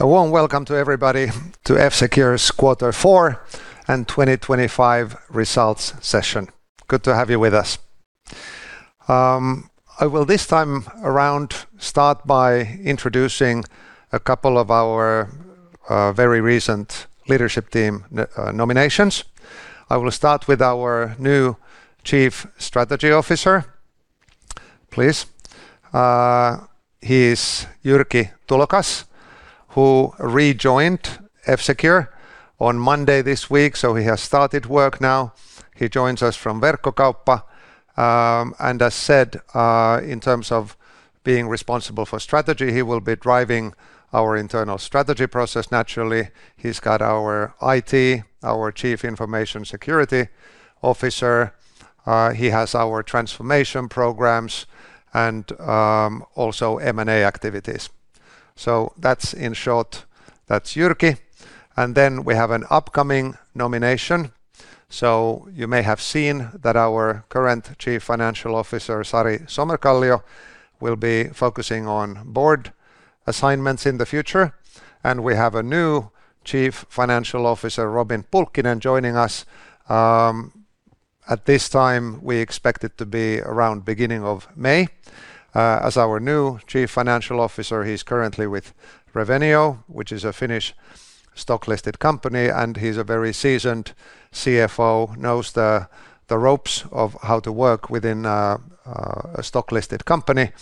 A warm welcome to everybody to F-Secure's quarter four and 2025 Results Session. Good to have you with us. I will this time around start by introducing a couple of our very recent leadership team nominations. I will start with our new Chief Strategy Officer, please. He is Jyrki Tulokas, who rejoined F-Secure on Monday this week, so he has started work now. He joins us from Verkkokauppa. And as said, in terms of being responsible for strategy, he will be driving our internal strategy process naturally. He's got our IT, our Chief Information Security Officer. He has our transformation programs and also M&A activities. So, that's in short, that's Jyrki. And then we have an upcoming nomination. So, you may have seen that our current Chief Financial Officer, Sari Somerkallio, will be focusing on board assignments in the future. We have a new Chief Financial Officer, Robin Pulkkinen, joining us. At this time, we expect it to be around the beginning of May. As our new Chief Financial Officer, he's currently with Revenio, which is a Finnish stock-listed company. He's a very seasoned CFO, knows the ropes of how to work within a stock-listed company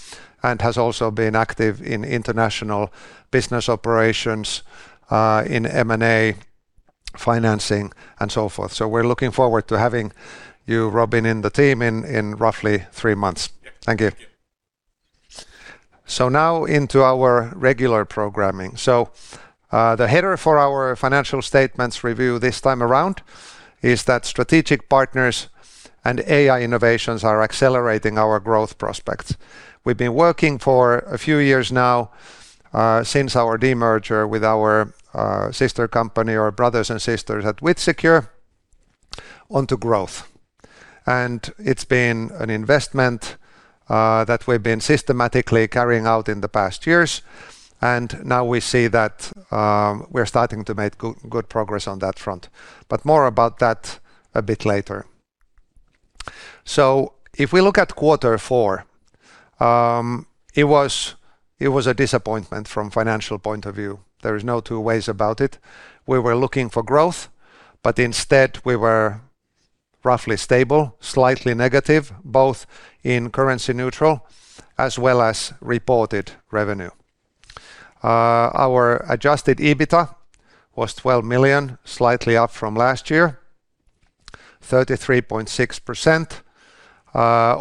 and has also been active in international business operations, in M&A financing, and so forth. We're looking forward to having you, Robin, in the team in roughly three months. Thank you. Now into our regular programming. The header for our financial statements review this time around is that strategic partners and AI innovations are accelerating our growth prospects. We've been working for a few years now since our demerger with our sister company or brothers and sisters at WithSecure onto growth. It's been an investment that we've been systematically carrying out in the past years. Now we see that we're starting to make good progress on that front, but more about that a bit later. If we look at quarter four, it was a disappointment from a financial point of view. There are no two ways about it. We were looking for growth, but instead, we were roughly stable, slightly negative, both in currency neutral as well as reported revenue. Our Adjusted EBITDA was 12 million, slightly up from last year, 33.6%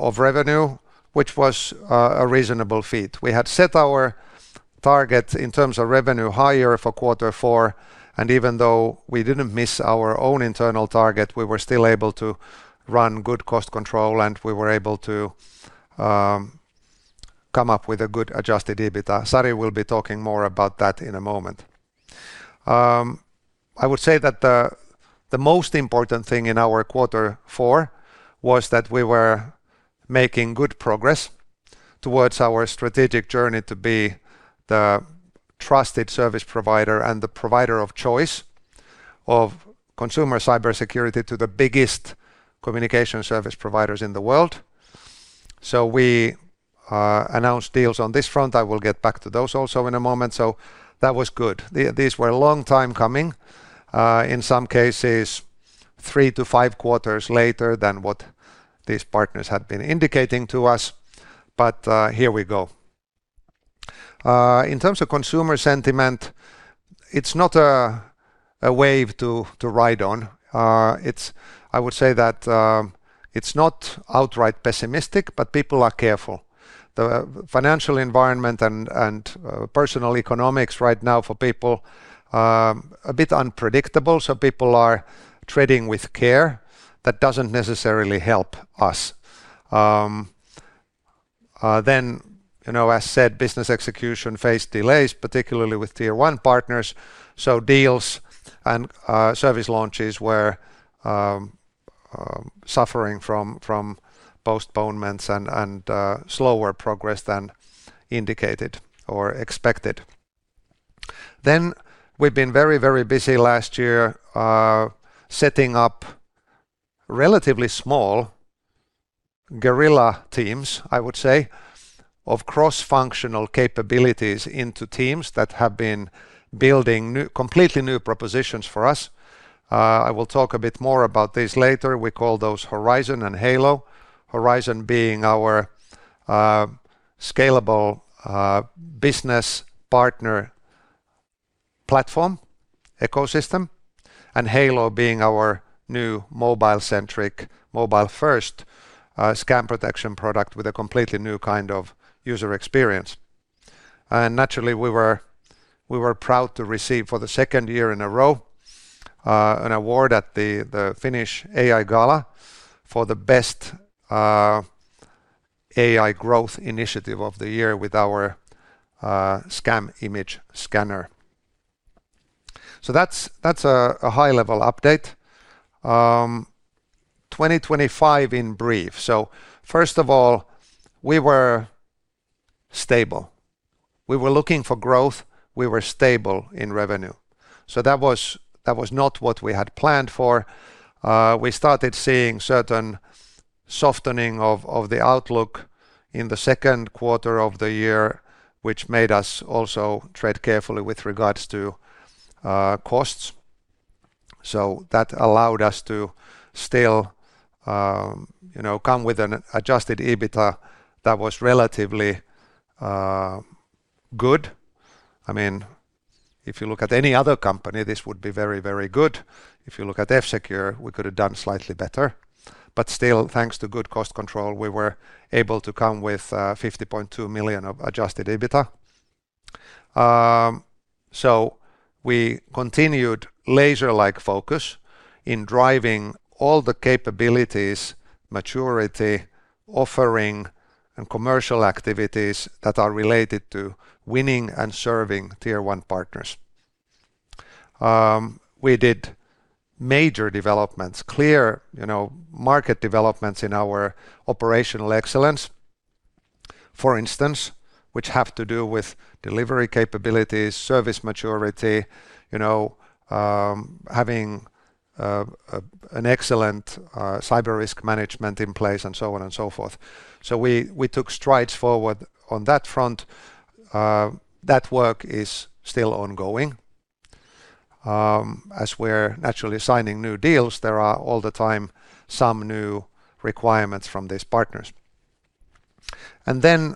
of revenue, which was a reasonable feat. We had set our target in terms of revenue higher for quarter four. Even though we didn't miss our own internal target, we were still able to run good cost control and we were able to come up with a good Adjusted EBITDA. Sari will be talking more about that in a moment. I would say that the most important thing in our quarter four was that we were making good progress towards our strategic journey to be the trusted service provider and the provider of choice of consumer cybersecurity to the biggest communication service providers in the world. So, we announced deals on this front. I will get back to those also in a moment. So, that was good. These were a long time coming, in some cases 3-5 quarters later than what these partners had been indicating to us. But here we go. In terms of consumer sentiment, it's not a wave to ride on. It's, I would say that it's not outright pessimistic, but people are careful. The financial environment and personal economics right now for people are a bit unpredictable. So, people are trading with care that doesn't necessarily help us. Then, you know, as said, business execution faced delays, particularly with Tier 1 partners. So, deals and service launches were suffering from postponements and slower progress than indicated or expected. Then, we've been very, very busy last year setting up relatively small guerrilla teams, I would say, of cross-functional capabilities into teams that have been building completely new propositions for us. I will talk a bit more about these later. We call those Horizon and Halo. Horizon being our scalable business partner platform ecosystem and Halo being our new mobile-centric, mobile-first scam protection product with a completely new kind of user experience. And naturally, we were proud to receive for the second year in a row an award at the Finnish AI Gala for the best AI growth initiative of the year with our Scam Image Scanner. So, that's a high-level update. 2025 in brief. First of all, we were stable. We were looking for growth. We were stable in revenue. That was not what we had planned for. We started seeing certain softening of the outlook in the second quarter of the year, which made us also tread carefully with regards to costs. That allowed us to still, you know, come with an Adjusted EBITDA that was relatively good. I mean, if you look at any other company, this would be very, very good. If you look at F-Secure, we could have done slightly better, but still, thanks to good cost control, we were able to come with 50.2 million of Adjusted EBITDA. We continued laser-like focus in driving all the capabilities, maturity, offering, and commercial activities that are related to winning and serving Tier 1 partners. We did major developments, you know, market developments in our operational excellence, for instance, which have to do with delivery capabilities, service maturity, you know, having an excellent cyber risk management in place, and so on and so forth. So, we took strides forward on that front. That work is still ongoing. As we're naturally signing new deals, there are all the time some new requirements from these partners. And then,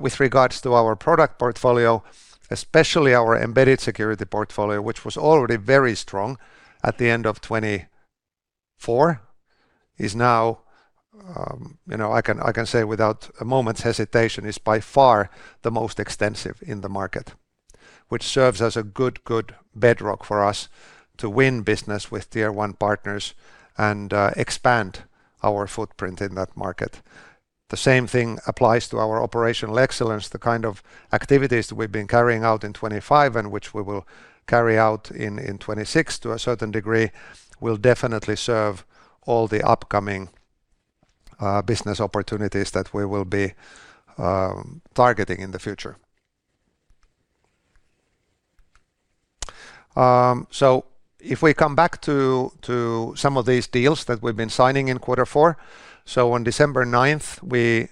with regards to our product portfolio, especially our embedded security portfolio, which was already very strong at the end of 2024, is now, you know, I can say without a moment's hesitation, is by far the most extensive in the market, which serves as a good, good bedrock for us to win business with Tier 1 partners and expand our footprint in that market. The same thing applies to our operational excellence. The kind of activities that we've been carrying out in 2025 and which we will carry out in 2026 to a certain degree will definitely serve all the upcoming business opportunities that we will be targeting in the future. So, if we come back to some of these deals that we've been signing in quarter four. So, on December 9th, we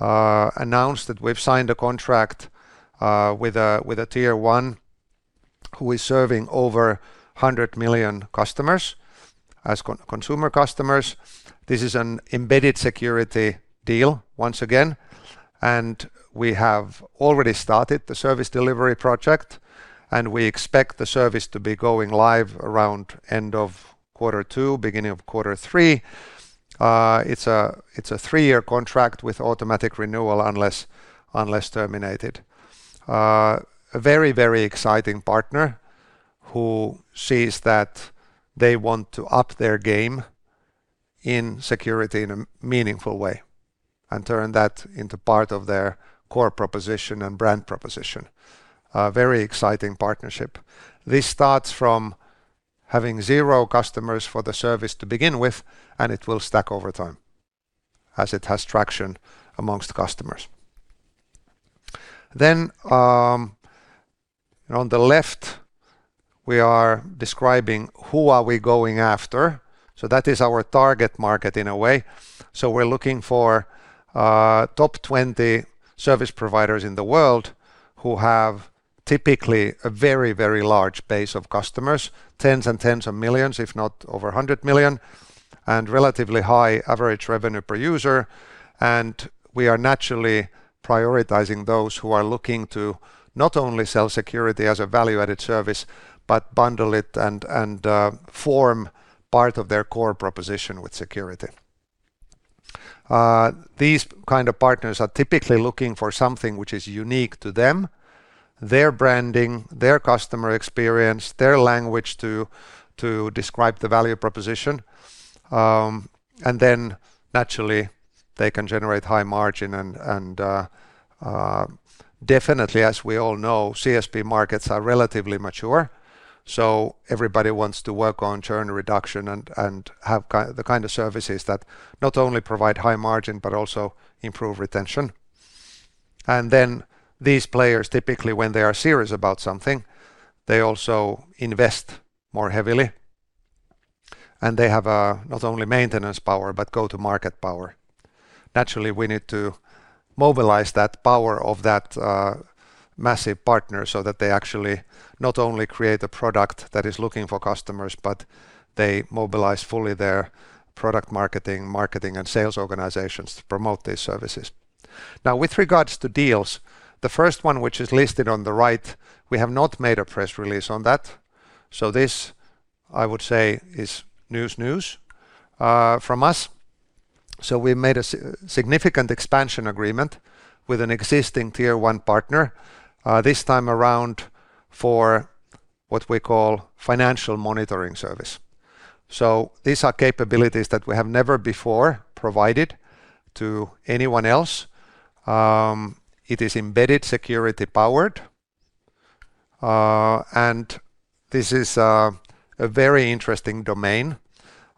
announced that we've signed a contract with a Tier 1 who is serving over 100 million customers as consumer customers. This is an embedded security deal once again. We have already started the service delivery project, and we expect the service to be going live around the end of quarter two, beginning of quarter three. It's a three-year contract with automatic renewal unless terminated. A very, very exciting partner who sees that they want to up their game in security in a meaningful way and turn that into part of their core proposition and brand proposition. A very exciting partnership. This starts from having zero customers for the service to begin with, and it will stack over time as it has traction amongst customers. Then, on the left, we are describing who are we going after? So, that is our target market in a way. So, we're looking for top 20 service providers in the world who have typically a very, very large base of customers, tens and tens of millions, if not over 100 million, and relatively high average revenue per user. And we are naturally prioritizing those who are looking to not only sell security as a value-added service, but bundle it and form part of their core proposition with security. These kinds of partners are typically looking for something which is unique to them, their branding, their customer experience, their language to describe the value proposition. Then, naturally, they can generate high margin. Definitely, as we all know, CSP markets are relatively mature. Everybody wants to work on churn reduction and have the kind of services that not only provide high margin, but also improve retention. These players typically, when they are serious about something, they also invest more heavily. They have not only maintenance power, but go-to-market power. Naturally, we need to mobilize that power of that massive partner so that they actually not only create a product that is looking for customers, but they mobilize fully their product marketing, marketing, and sales organizations to promote these services. Now, with regards to deals, the first one, which is listed on the right, we have not made a press release on that. This, I would say, is news news from us. We made a significant expansion agreement with an existing Tier 1 partner, this time around for what we call financial monitoring service. These are capabilities that we have never before provided to anyone else. It is embedded security powered. This is a very interesting domain.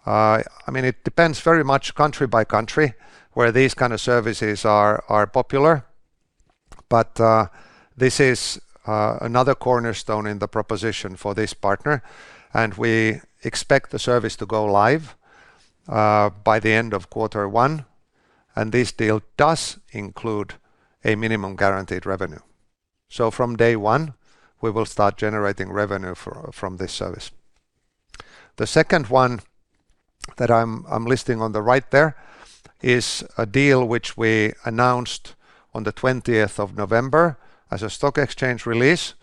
I mean, it depends very much country by country where these kinds of services are popular. This is another cornerstone in the proposition for this partner. We expect the service to go live by the end of quarter one. This deal does include a minimum guaranteed revenue. From day one, we will start generating revenue from this service. The second one that I'm listing on the right there is a deal which we announced on the 20th of November as a stock exchange release,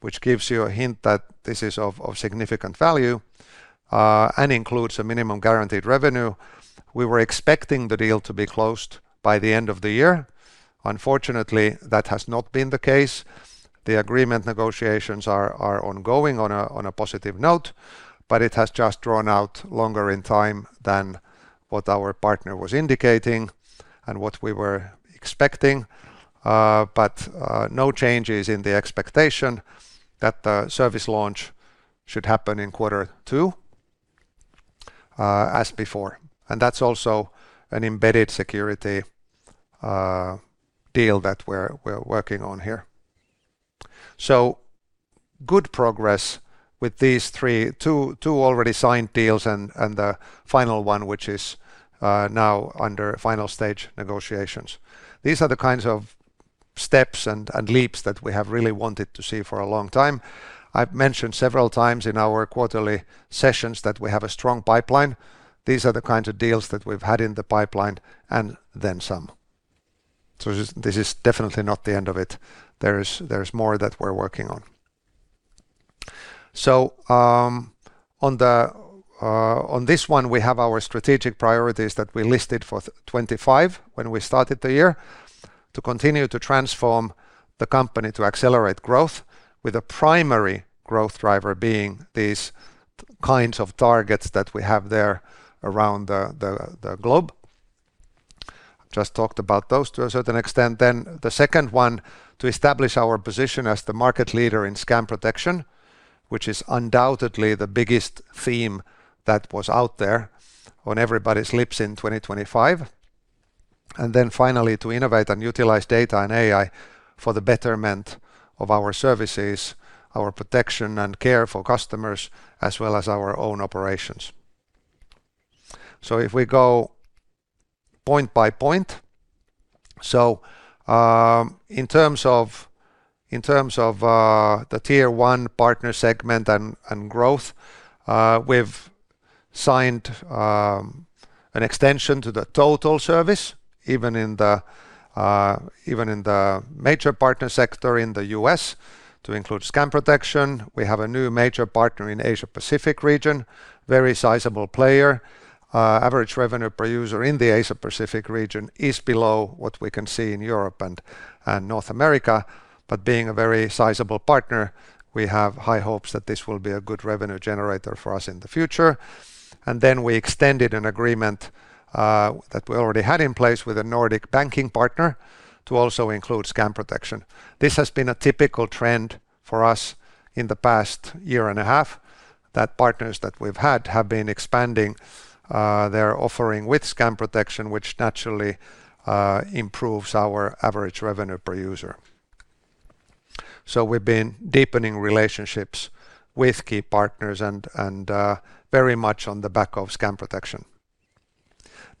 which gives you a hint that this is of significant value and includes a minimum guaranteed revenue. We were expecting the deal to be closed by the end of the year. Unfortunately, that has not been the case. The agreement negotiations are ongoing on a positive note, but it has just drawn out longer in time than what our partner was indicating and what we were expecting. But no changes in the expectation that the service launch should happen in quarter two as before. And that's also an embedded security deal that we're working on here. So, good progress with these three, two already signed deals and the final one, which is now under final stage negotiations. These are the kinds of steps and leaps that we have really wanted to see for a long time. I've mentioned several times in our quarterly sessions that we have a strong pipeline. These are the kinds of deals that we've had in the pipeline and then some. So, this is definitely not the end of it. There is more that we're working on. So, on this one, we have our strategic priorities that we listed for 2025 when we started the year to continue to transform the company to accelerate growth, with a primary growth driver being these kinds of targets that we have there around the globe. I've just talked about those to a certain extent. Then, the second one to establish our position as the market leader in scam protection, which is undoubtedly the biggest theme that was out there on everybody's lips in 2025. And then, finally, to innovate and utilize data and AI for the betterment of our services, our protection and care for customers, as well as our own operations. So, if we go point by point. So, in terms of the Tier 1 partner segment and growth, we've signed an extension to the total service, even in the major partner sector in the U.S., to include scam protection. We have a new major partner in the Asia-Pacific region, a very sizable player. Average revenue per user in the Asia-Pacific region is below what we can see in Europe and North America. But, being a very sizable partner, we have high hopes that this will be a good revenue generator for us in the future. And then, we extended an agreement that we already had in place with a Nordic banking partner to also include scam protection. This has been a typical trend for us in the past year and a half that partners that we've had have been expanding their offering with scam protection, which naturally improves our average revenue per user. So, we've been deepening relationships with key partners and very much on the back of scam protection.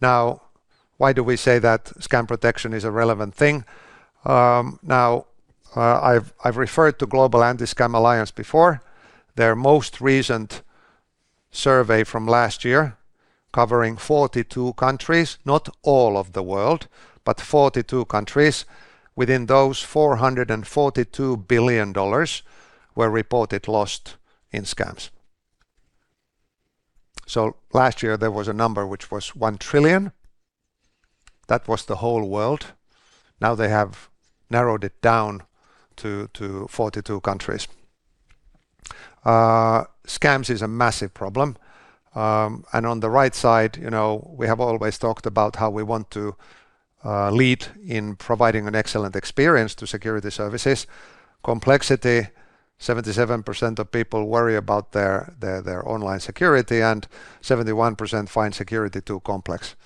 Now, why do we say that scam protection is a relevant thing? Now, I've referred to the Global Anti-Scam Alliance before. Their most recent survey from last year covering 42 countries, not all of the world, but 42 countries, within those $442 billion were reported lost in scams. So, last year there was a number which was $1 trillion. That was the whole world. Now, they have narrowed it down to 42 countries. Scams are a massive problem. On the right side, you know, we have always talked about how we want to lead in providing an excellent experience to security services. Complexity: 77% of people worry about their online security and 71% find security too complex.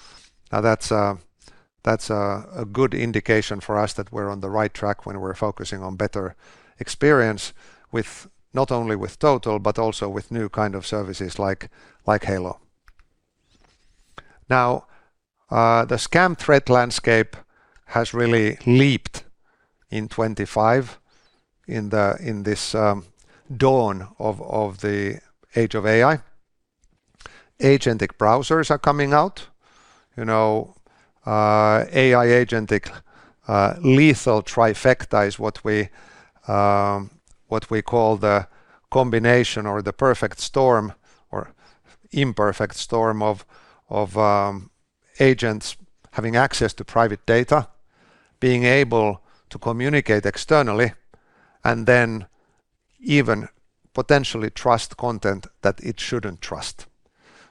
Now, that's a good indication for us that we're on the right track when we're focusing on better experience with not only Total, but also with new kinds of services like Halo. Now, the scam threat landscape has really leaped in 2025 in this dawn of the age of AI. Agentic browsers are coming out. You know, AI Agentic Lethal Trifecta is what we call the combination or the perfect storm or imperfect storm of agents having access to private data, being able to communicate externally, and then even potentially trust content that it shouldn't trust.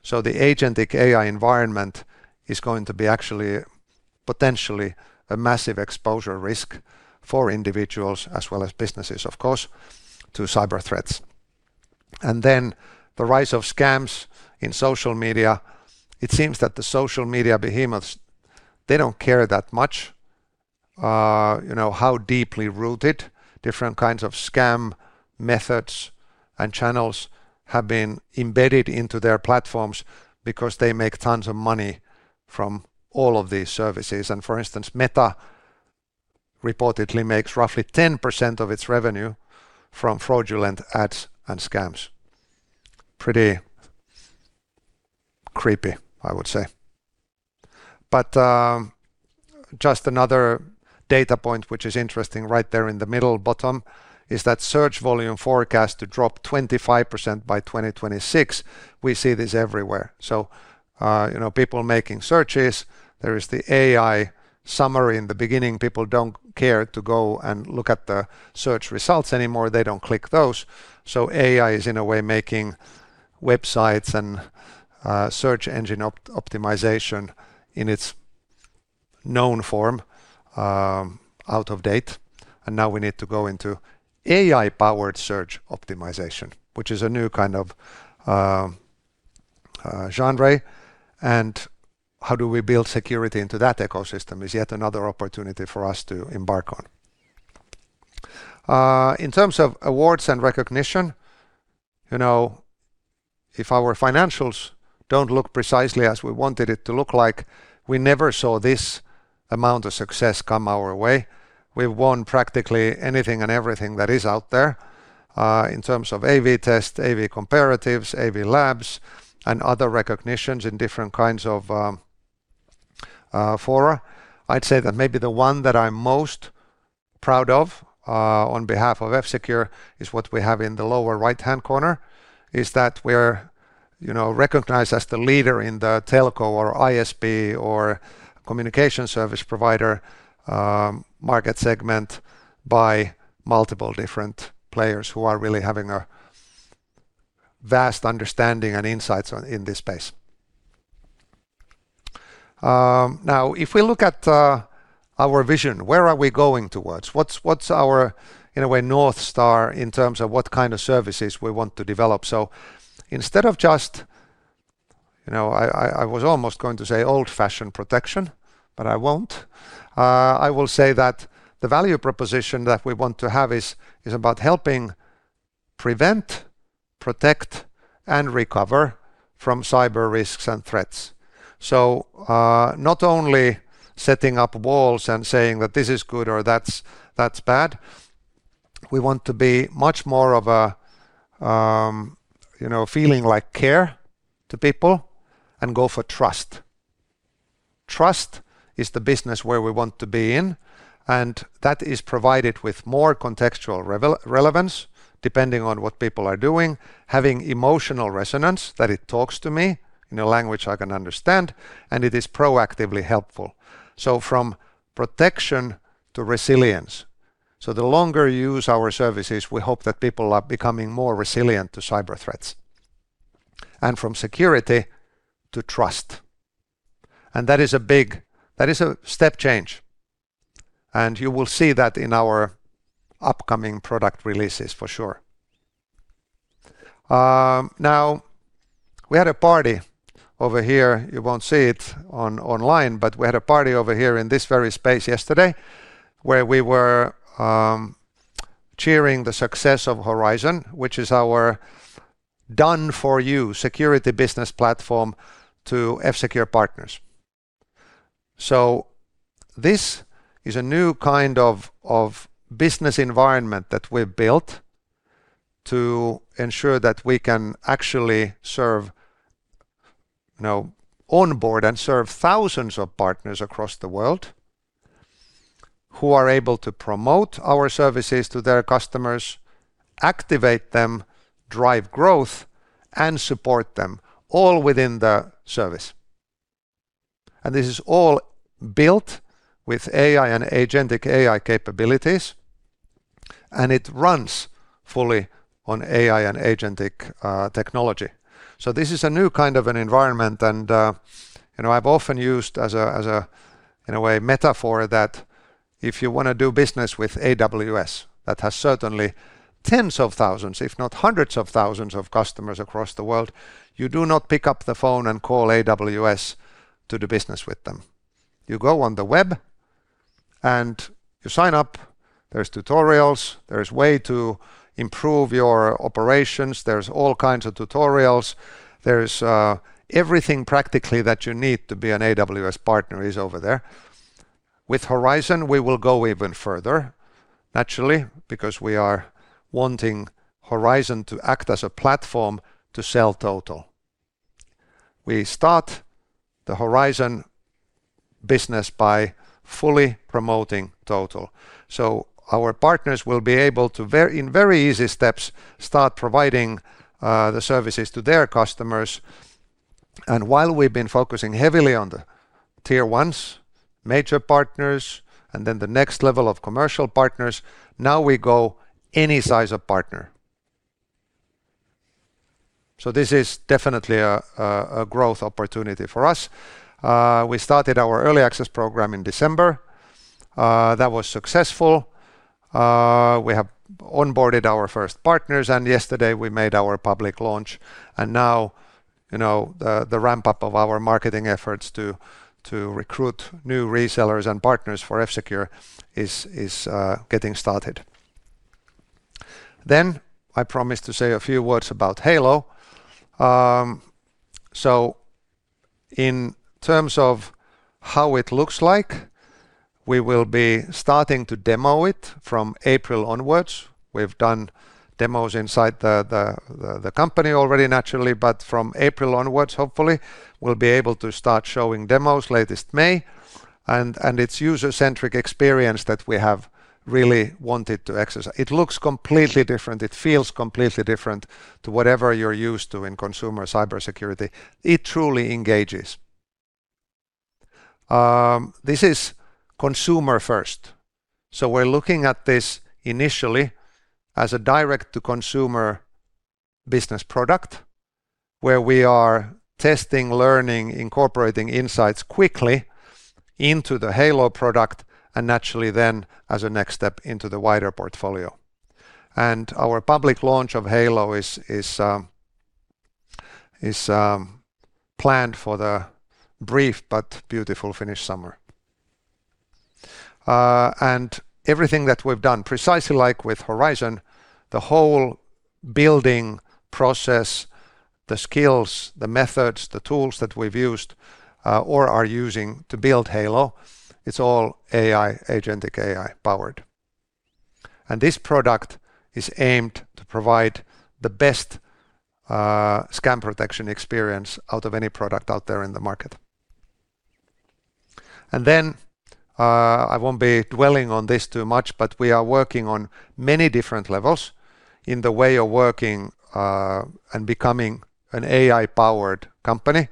So, the agentic AI environment is going to be actually potentially a massive exposure risk for individuals as well as businesses, of course, to cyber threats. And then, the rise of scams in social media. It seems that the social media behemoths, they don't care that much, you know, how deeply rooted different kinds of scam methods and channels have been embedded into their platforms because they make tons of money from all of these services. And, for instance, Meta reportedly makes roughly 10% of its revenue from fraudulent ads and scams. Pretty creepy, I would say. But, just another data point which is interesting right there in the middle bottom is that search volume forecast to drop 25% by 2026. We see this everywhere. So, you know, people making searches. There is the AI summary in the beginning. People don't care to go and look at the search results anymore. They don't click those. So, AI is in a way making websites and search engine optimization in its known form out of date. And now, we need to go into AI-powered search optimization, which is a new kind of genre. And how do we build security into that ecosystem is yet another opportunity for us to embark on. In terms of awards and recognition, you know, if our financials don't look precisely as we wanted it to look like, we never saw this amount of success come our way. We've won practically anything and everything that is out there in terms of AV-TEST, AV-Comparatives, AV labs, and other recognitions in different kinds of fora. I'd say that maybe the one that I'm most proud of on behalf of F-Secure is what we have in the lower right-hand corner. That is, we're, you know, recognized as the leader in the telco or ISP or communication service provider market segment by multiple different players who are really having a vast understanding and insights in this space. Now, if we look at our vision, where are we going towards? What's our, in a way, North Star in terms of what kind of services we want to develop? So, instead of just, you know, I was almost going to say old-fashioned protection, but I won't. I will say that the value proposition that we want to have is about helping prevent, protect, and recover from cyber risks and threats. So, not only setting up walls and saying that this is good or that's that's bad. We want to be much more of a, you know, feeling like care to people and go for trust. Trust is the business where we want to be in, and that is provided with more contextual relevance depending on what people are doing, having emotional resonance that it talks to me in a language I can understand, and it is proactively helpful. So, from protection to resilience. The longer you use our services, we hope that people are becoming more resilient to cyber threats. From security to trust. That is a big... that is a step change. You will see that in our upcoming product releases for sure. Now, we had a party over here. You won't see it online, but we had a party over here in this very space yesterday, where we were cheering the success of Horizon, which is our done-for-you security business platform to F-Secure partners. So, this is a new kind of business environment that we've built to ensure that we can actually serve, you know, onboard and serve thousands of partners across the world who are able to promote our services to their customers, activate them, drive growth, and support them all within the service. And this is all built with AI and agentic AI capabilities. And it runs fully on AI and agentic technology. So, this is a new kind of an environment. You know, I've often used as a, as a, in a way, metaphor that if you want to do business with AWS, that has certainly tens of thousands, if not hundreds of thousands of customers across the world, you do not pick up the phone and call AWS to do business with them. You go on the web and you sign up. There are tutorials. There is a way to improve your operations. There are all kinds of tutorials. There is everything practically that you need to be an AWS partner is over there. With Horizon, we will go even further, naturally, because we are wanting Horizon to act as a platform to sell Total. We start the Horizon business by fully promoting Total. So, our partners will be able to, in very easy steps, start providing the services to their customers. While we've been focusing heavily on the Tier 1 major partners and then the next level of commercial partners, now we go any size of partner. This is definitely a growth opportunity for us. We started our early access program in December. That was successful. We have onboarded our first partners, and yesterday we made our public launch. Now, you know, the ramp-up of our marketing efforts to recruit new resellers and partners for F-Secure is getting started. I promised to say a few words about Halo. In terms of how it looks like, we will be starting to demo it from April onwards. We've done demos inside the company already, naturally, but from April onwards, hopefully, we'll be able to start showing demos latest May. It's a user-centric experience that we have really wanted to exercise. It looks completely different. It feels completely different to whatever you're used to in consumer cybersecurity. It truly engages. This is consumer-first. So, we're looking at this initially as a direct-to-consumer business product, where we are testing, learning, incorporating insights quickly into the Halo product and naturally then as a next step into the wider portfolio. And our public launch of Halo is planned for the brief but beautiful Finnish summer. And everything that we've done, precisely like with Horizon, the whole building process, the skills, the methods, the tools that we've used or are using to build Halo, it's all AI, agentic AI powered. And this product is aimed to provide the best scam protection experience out of any product out there in the market. And then, I won't be dwelling on this too much, but we are working on many different levels in the way of working and becoming an AI-powered company.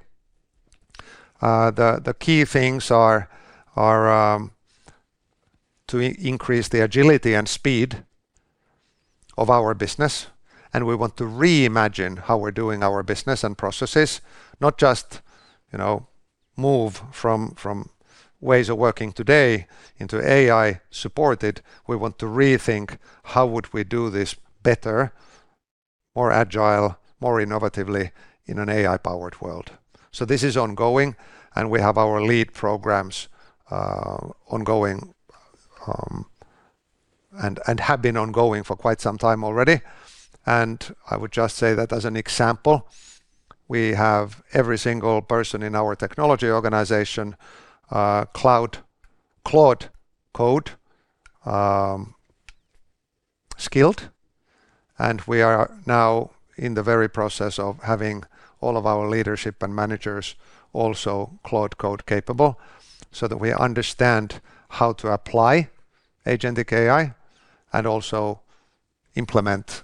The key things are to increase the agility and speed of our business. We want to reimagine how we're doing our business and processes, not just, you know, move from ways of working today into AI-supported. We want to rethink how would we do this better, more agile, more innovatively in an AI-powered world. So, this is ongoing, and we have our lead programs ongoing and have been ongoing for quite some time already. And I would just say that as an example, we have every single person in our technology organization Cloud Code skilled. We are now in the very process of having all of our leadership and managers also cloud code capable so that we understand how to apply agentic AI and also implement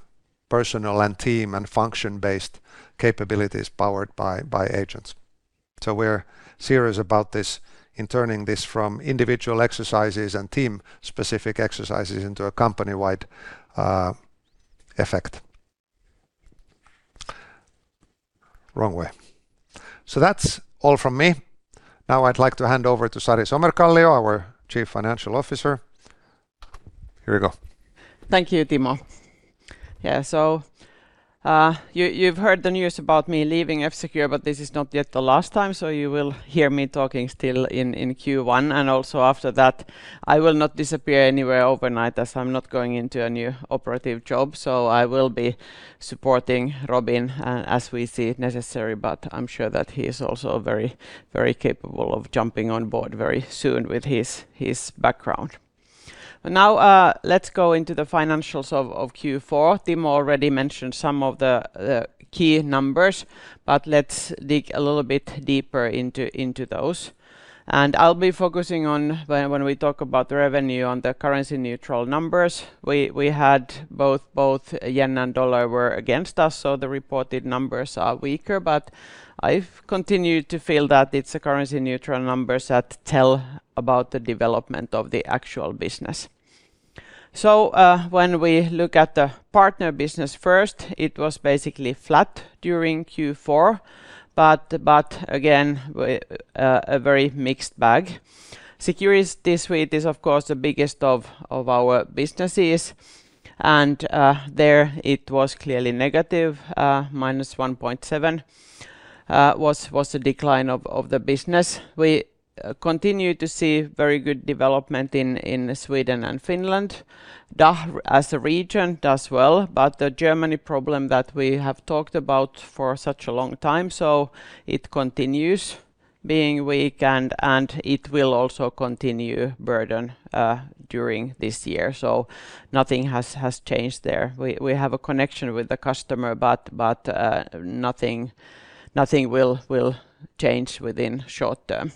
personal and team and function-based capabilities powered by agents. So, we're serious about this in turning this from individual exercises and team-specific exercises into a company-wide effect. Wrong way. So, that's all from me. Now, I'd like to hand over to Sari Somerkallio, our Chief Financial Officer. Here you go. Thank you, Timo. Yeah, so you've heard the news about me leaving F-Secure, but this is not yet the last time. So, you will hear me talking still in Q1. And also, after that, I will not disappear anywhere overnight as I'm not going into a new operative job. So, I will be supporting Robin as we see necessary, but I'm sure that he is also very, very capable of jumping on board very soon with his background. Now, let's go into the financials of Q4. Timo already mentioned some of the key numbers, but let's dig a little bit deeper into those. I'll be focusing on when we talk about revenue on the currency-neutral numbers. We had both... both yen and dollar were against us. So, the reported numbers are weaker, but I've continued to feel that it's a currency-neutral number that tells about the development of the actual business. So, when we look at the partner business first, it was basically flat during Q4, but again, we had a very mixed bag. Security in Sweden is, of course, the biggest of our businesses. There, it was clearly negative. -1.7% was the decline of the business. We continue to see very good development in Sweden and Finland. DACH as a region does well, but the Germany problem that we have talked about for such a long time. So, it continues being weak and it will also continue to burden during this year. So, nothing has changed there. We have a connection with the customer, but nothing will change within the short term.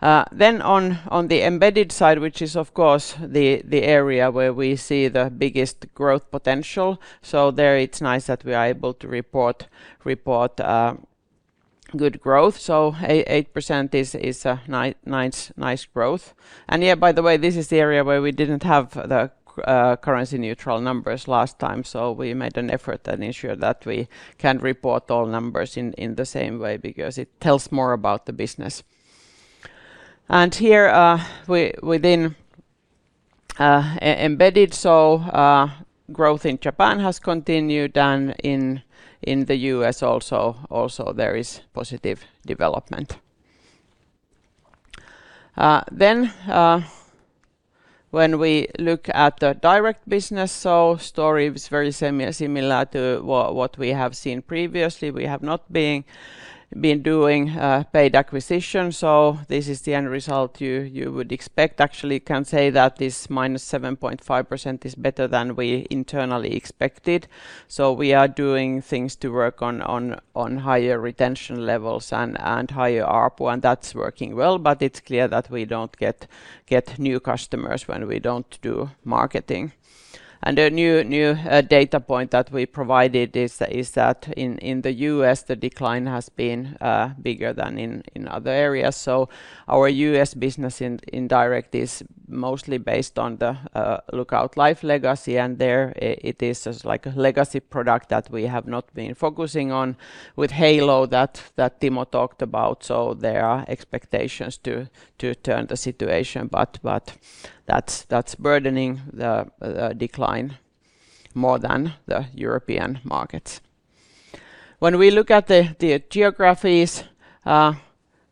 Then, on the embedded side, which is, of course, the area where we see the biggest growth potential. So, there, it's nice that we are able to report good growth. So, 8% is a nice growth. And yeah, by the way, this is the area where we didn't have the currency-neutral numbers last time. So, we made an effort and ensured that we can report all numbers in the same way because it tells more about the business. And here, within embedded, so growth in Japan has continued and in the U.S. also, there is positive development. Then, when we look at the direct business, so the story is very similar to what we have seen previously. We have not been doing paid acquisition. So, this is the end result you would expect. Actually, you can say that this -7.5% is better than we internally expected. So, we are doing things to work on higher retention levels and higher ARPU, and that's working well. But it's clear that we don't get new customers when we don't do marketing. And the new data point that we provided is that in the U.S., the decline has been bigger than in other areas. Our U.S. business indirect is mostly based on the Lookout Life legacy. There, it is like a legacy product that we have not been focusing on with Halo that Timo talked about. There are expectations to turn the situation, but that's burdening the decline more than the European markets. When we look at the geographies,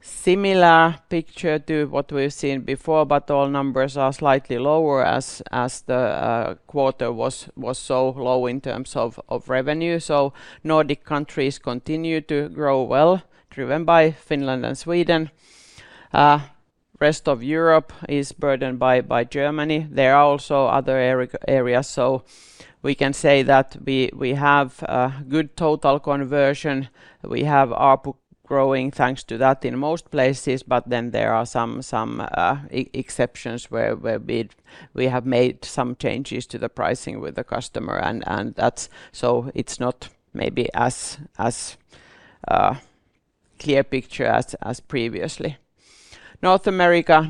similar picture to what we've seen before, but all numbers are slightly lower as the quarter was so low in terms of revenue. Nordic countries continue to grow well, driven by Finland and Sweden. The rest of Europe is burdened by Germany. There are also other areas. We can say that we have a good total conversion. We have ARPU growing thanks to that in most places. But then, there are some exceptions where we have made some changes to the pricing with the customer. That's so, it's not maybe as clear a picture as previously. North America,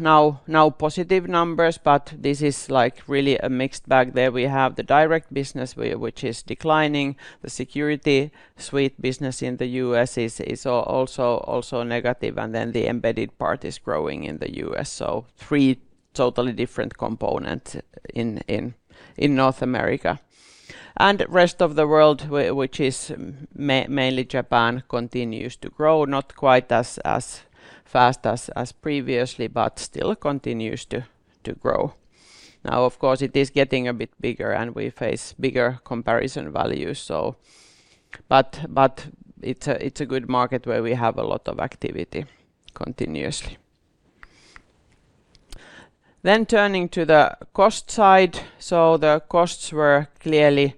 now positive numbers, but this is like really a mixed bag there. We have the direct business, which is declining. The security suite business in the U.S. is also negative. And then, the embedded part is growing in the U.S. So, three totally different components in North America. And the rest of the world, which is mainly Japan, continues to grow. Not quite as fast as previously, but still continues to grow. Now, of course, it is getting a bit bigger, and we face bigger comparison values. So, but it's a good market where we have a lot of activity continuously. Then, turning to the cost side. So, the costs were clearly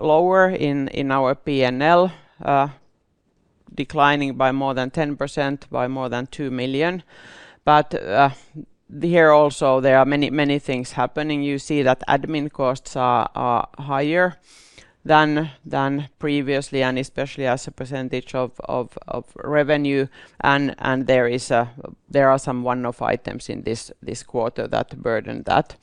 lower in our P&L, declining by more than 10%, by more than 2 million. But here also, there are many things happening. You see that admin costs are higher than previously, and especially as a percentage of revenue. There are some one-off items in this quarter that burden that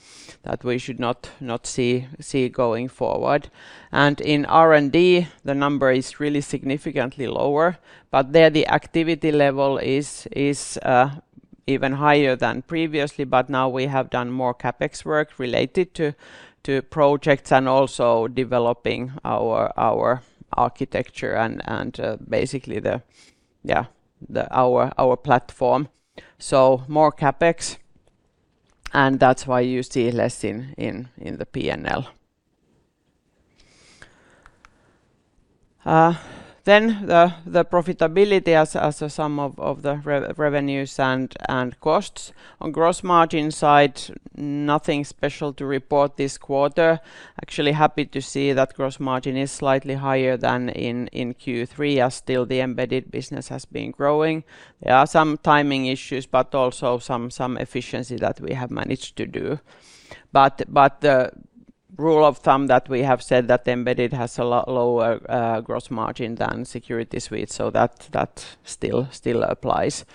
we should not see going forward. In R&D, the number is really significantly lower. But there, the activity level is even higher than previously. But now, we have done more CapEx work related to projects and also developing our architecture and basically the, yeah, our platform. So, more CapEx. And that's why you see less in the P&L. Then, the profitability as a sum of the revenues and costs on gross margin side, nothing special to report this quarter. Actually, happy to see that gross margin is slightly higher than in Q3, as still the embedded business has been growing. There are some timing issues, but also some efficiency that we have managed to do. But the rule of thumb that we have said that embedded has a lower gross margin than security suite, so that still applies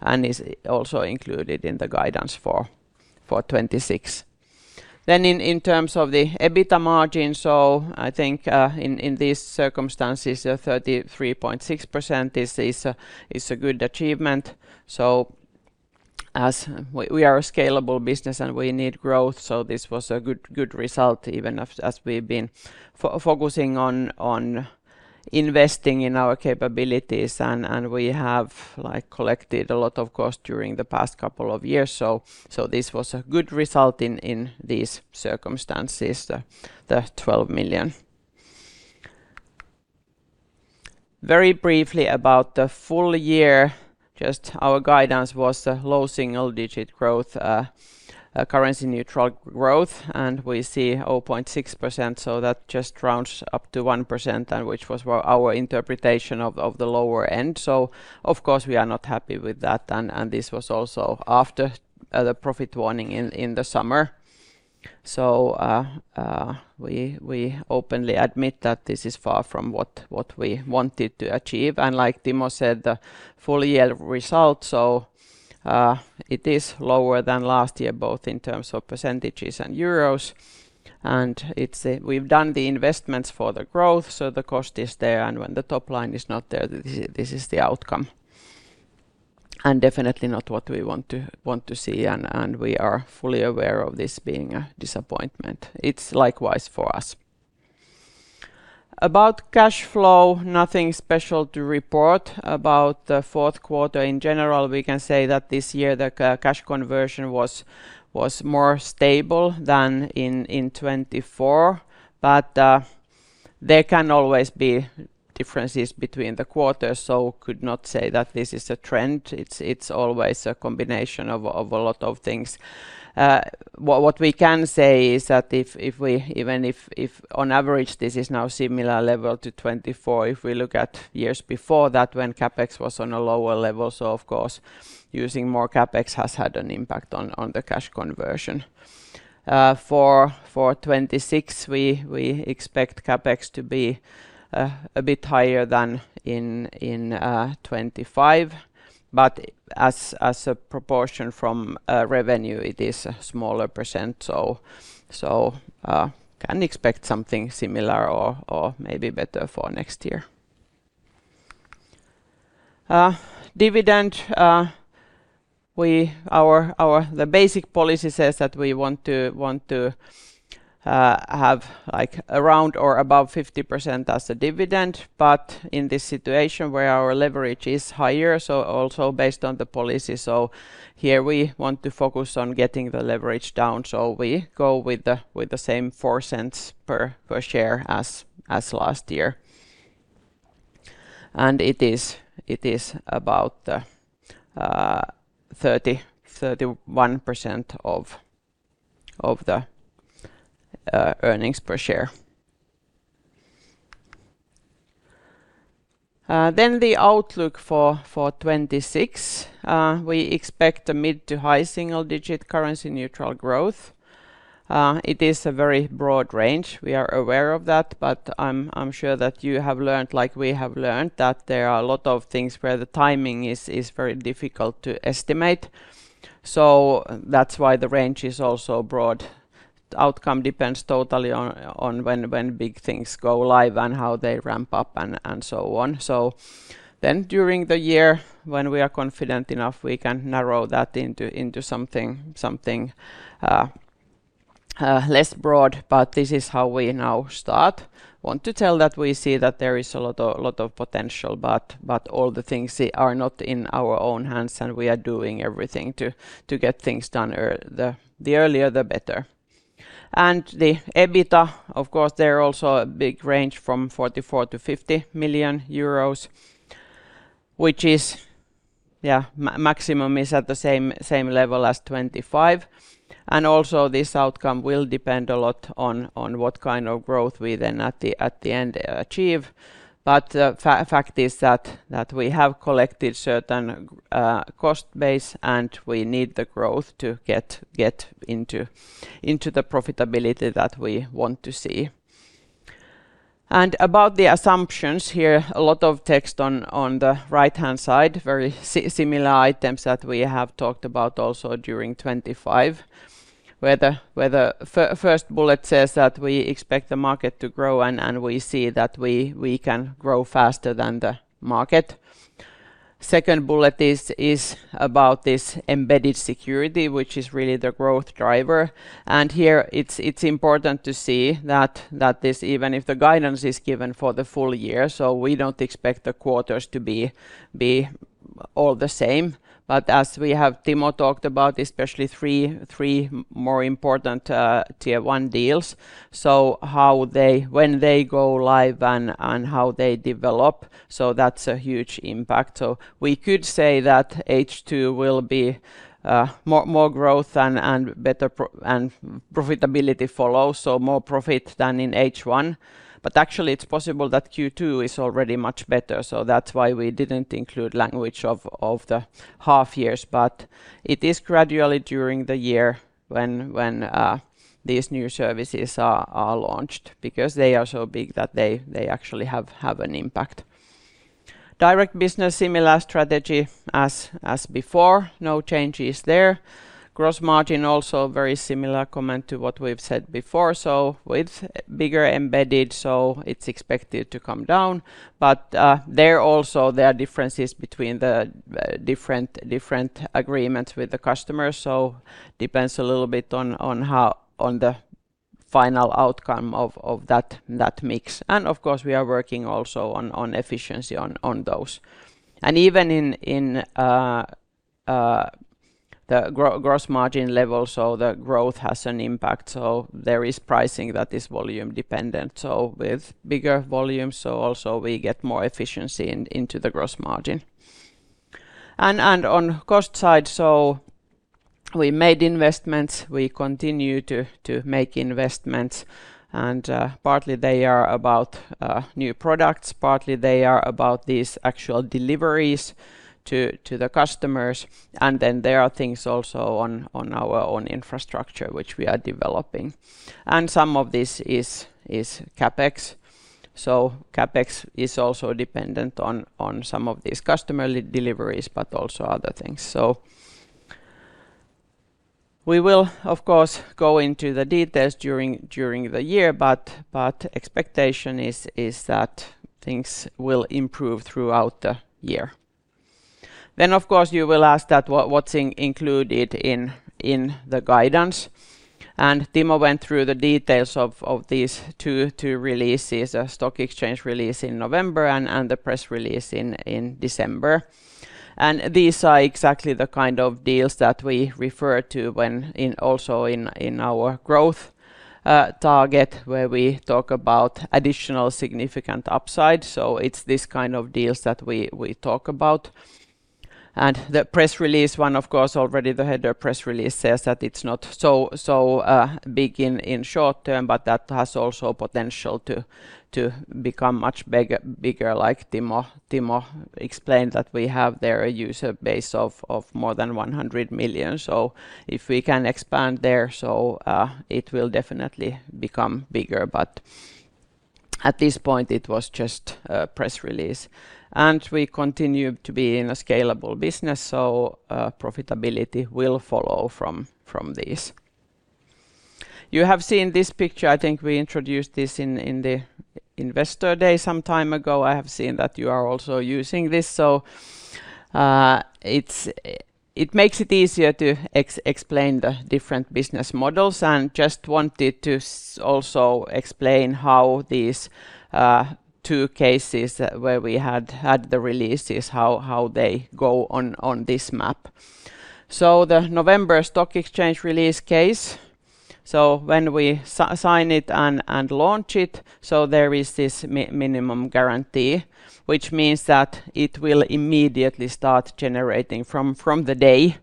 and is also included in the guidance for 2026. Then, in terms of the EBITDA margin, so I think in these circumstances, the 33.6% is a good achievement. So, as we are a scalable business and we need growth, so this was a good result, even as we've been focusing on investing in our capabilities. And we have collected a lot of costs during the past couple of years. So, this was a good result in these circumstances, the EUR 12 million. Very briefly about the full year, just our guidance was low single-digit growth, currency-neutral growth. And we see 0.6%. So, that just rounds up to 1%, which was our interpretation of the lower end. So, of course, we are not happy with that. This was also after the profit warning in the summer. So, we openly admit that this is far from what we wanted to achieve. Like Timo said, the full-year result, so it is lower than last year, both in terms of percentages and euros. We've done the investments for the growth, so the cost is there. When the top line is not there, this is the outcome. Definitely not what we want to see. We are fully aware of this being a disappointment. It's likewise for us. About cash flow, nothing special to report about the fourth quarter. In general, we can say that this year, the cash conversion was more stable than in 2024. But there can always be differences between the quarters. So, I could not say that this is a trend. It's always a combination of a lot of things. What we can say is that if we, even if on average, this is now a similar level to 2024, if we look at years before that, when CapEx was on a lower level. So, of course, using more CapEx has had an impact on the cash conversion. For 2026, we expect CapEx to be a bit higher than in 2025. But as a proportion from revenue, it is a smaller percent. So, we can expect something similar or maybe better for next year. Dividend, the basic policy says that we want to have around or above 50% as a dividend. But in this situation, where our leverage is higher, so also based on the policy. So, here, we want to focus on getting the leverage down. So, we go with the same 0.04 per share as last year. It is about 31% of the earnings per share. The outlook for 2026, we expect a mid- to high single-digit currency-neutral growth. It is a very broad range. We are aware of that. But I'm sure that you have learned, like we have learned, that there are a lot of things where the timing is very difficult to estimate. So, that's why the range is also broad. The outcome depends totally on when big things go live and how they ramp up and so on. So, then, during the year, when we are confident enough, we can narrow that into something less broad. But this is how we now start. I want to tell that we see that there is a lot of potential. But all the things are not in our own hands. And we are doing everything to get things done. The earlier, the better. The EBITDA, of course, there is also a big range from 44 million-50 million euros, which is, yeah, the maximum is at the same level as 2025. Also, this outcome will depend a lot on what kind of growth we then at the end achieve. But the fact is that we have collected certain cost base. We need the growth to get into the profitability that we want to see. About the assumptions here, a lot of text on the right-hand side, very similar items that we have talked about also during 2025, where the first bullet says that we expect the market to grow. We see that we can grow faster than the market. The second bullet is about this embedded security, which is really the growth driver. Here, it's important to see that this, even if the guidance is given for the full year, so we don't expect the quarters to be all the same. But as we have Timo talked about, especially three more important Tier 1 deals, so when they go live and how they develop, so that's a huge impact. We could say that H2 will be more growth and profitability follows, so more profit than in H1. But actually, it's possible that Q2 is already much better. That's why we didn't include language of the half years. But it is gradually during the year when these new services are launched because they are so big that they actually have an impact. Direct business, similar strategy as before. No change is there. Gross margin, also very similar comment to what we've said before. So, with bigger embedded, so it's expected to come down. But there are differences between the different agreements with the customers. So, it depends a little bit on the final outcome of that mix. And of course, we are working also on efficiency on those. And even in the gross margin level, so the growth has an impact. So, there is pricing that is volume dependent. So, with bigger volumes, so also we get more efficiency into the gross margin. And on cost side, so we made investments. We continue to make investments. And partly, they are about new products. Partly, they are about these actual deliveries to the customers. And then, there are things also on our own infrastructure, which we are developing. And some of this is CapEx. So, CapEx is also dependent on some of these customer deliveries, but also other things. So, we will, of course, go into the details during the year. But expectation is that things will improve throughout the year. Then, of course, you will ask that what's included in the guidance. And Timo went through the details of these two releases, a stock exchange release in November and the press release in December. And these are exactly the kind of deals that we refer to also in our growth target, where we talk about additional significant upside. So, it's this kind of deals that we talk about. And the press release, one, of course, already the header press release says that it's not so big in short term, but that has also potential to become much bigger, like Timo explained, that we have there a user base of more than 100 million. So, if we can expand there, so it will definitely become bigger. But at this point, it was just a press release. We continue to be in a scalable business. Profitability will follow from these. You have seen this picture. I think we introduced this in the investor day some time ago. I have seen that you are also using this. It makes it easier to explain the different business models. Just wanted to also explain how these two cases, where we had the releases, how they go on this map. The November stock exchange release case: when we sign it and launch it, there is this minimum guarantee, which means that it will immediately start generating from the day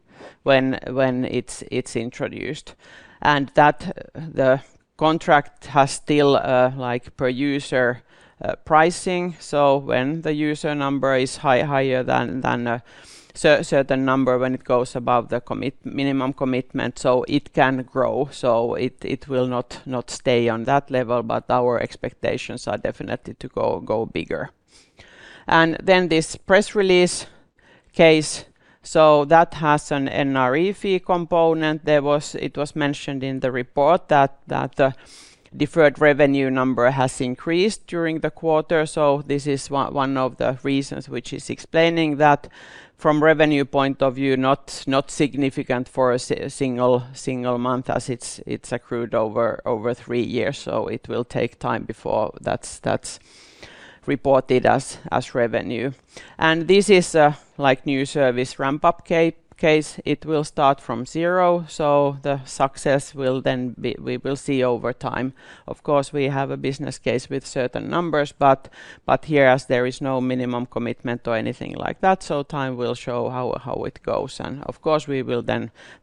when it's introduced. The contract has still per user pricing. When the user number is higher than a certain number, when it goes above the minimum commitment, it can grow. So, it will not stay on that level. But our expectations are definitely to go bigger. And then, this press release case, so that has an NRE fee component. It was mentioned in the report that the deferred revenue number has increased during the quarter. So, this is one of the reasons, which is explaining that from revenue point of view, not significant for a single month as it's accrued over three years. So, it will take time before that's reported as revenue. And this is a new service ramp-up case. It will start from zero. So, the success will then we will see over time. Of course, we have a business case with certain numbers. But here, as there is no minimum commitment or anything like that, so time will show how it goes. And of course, we will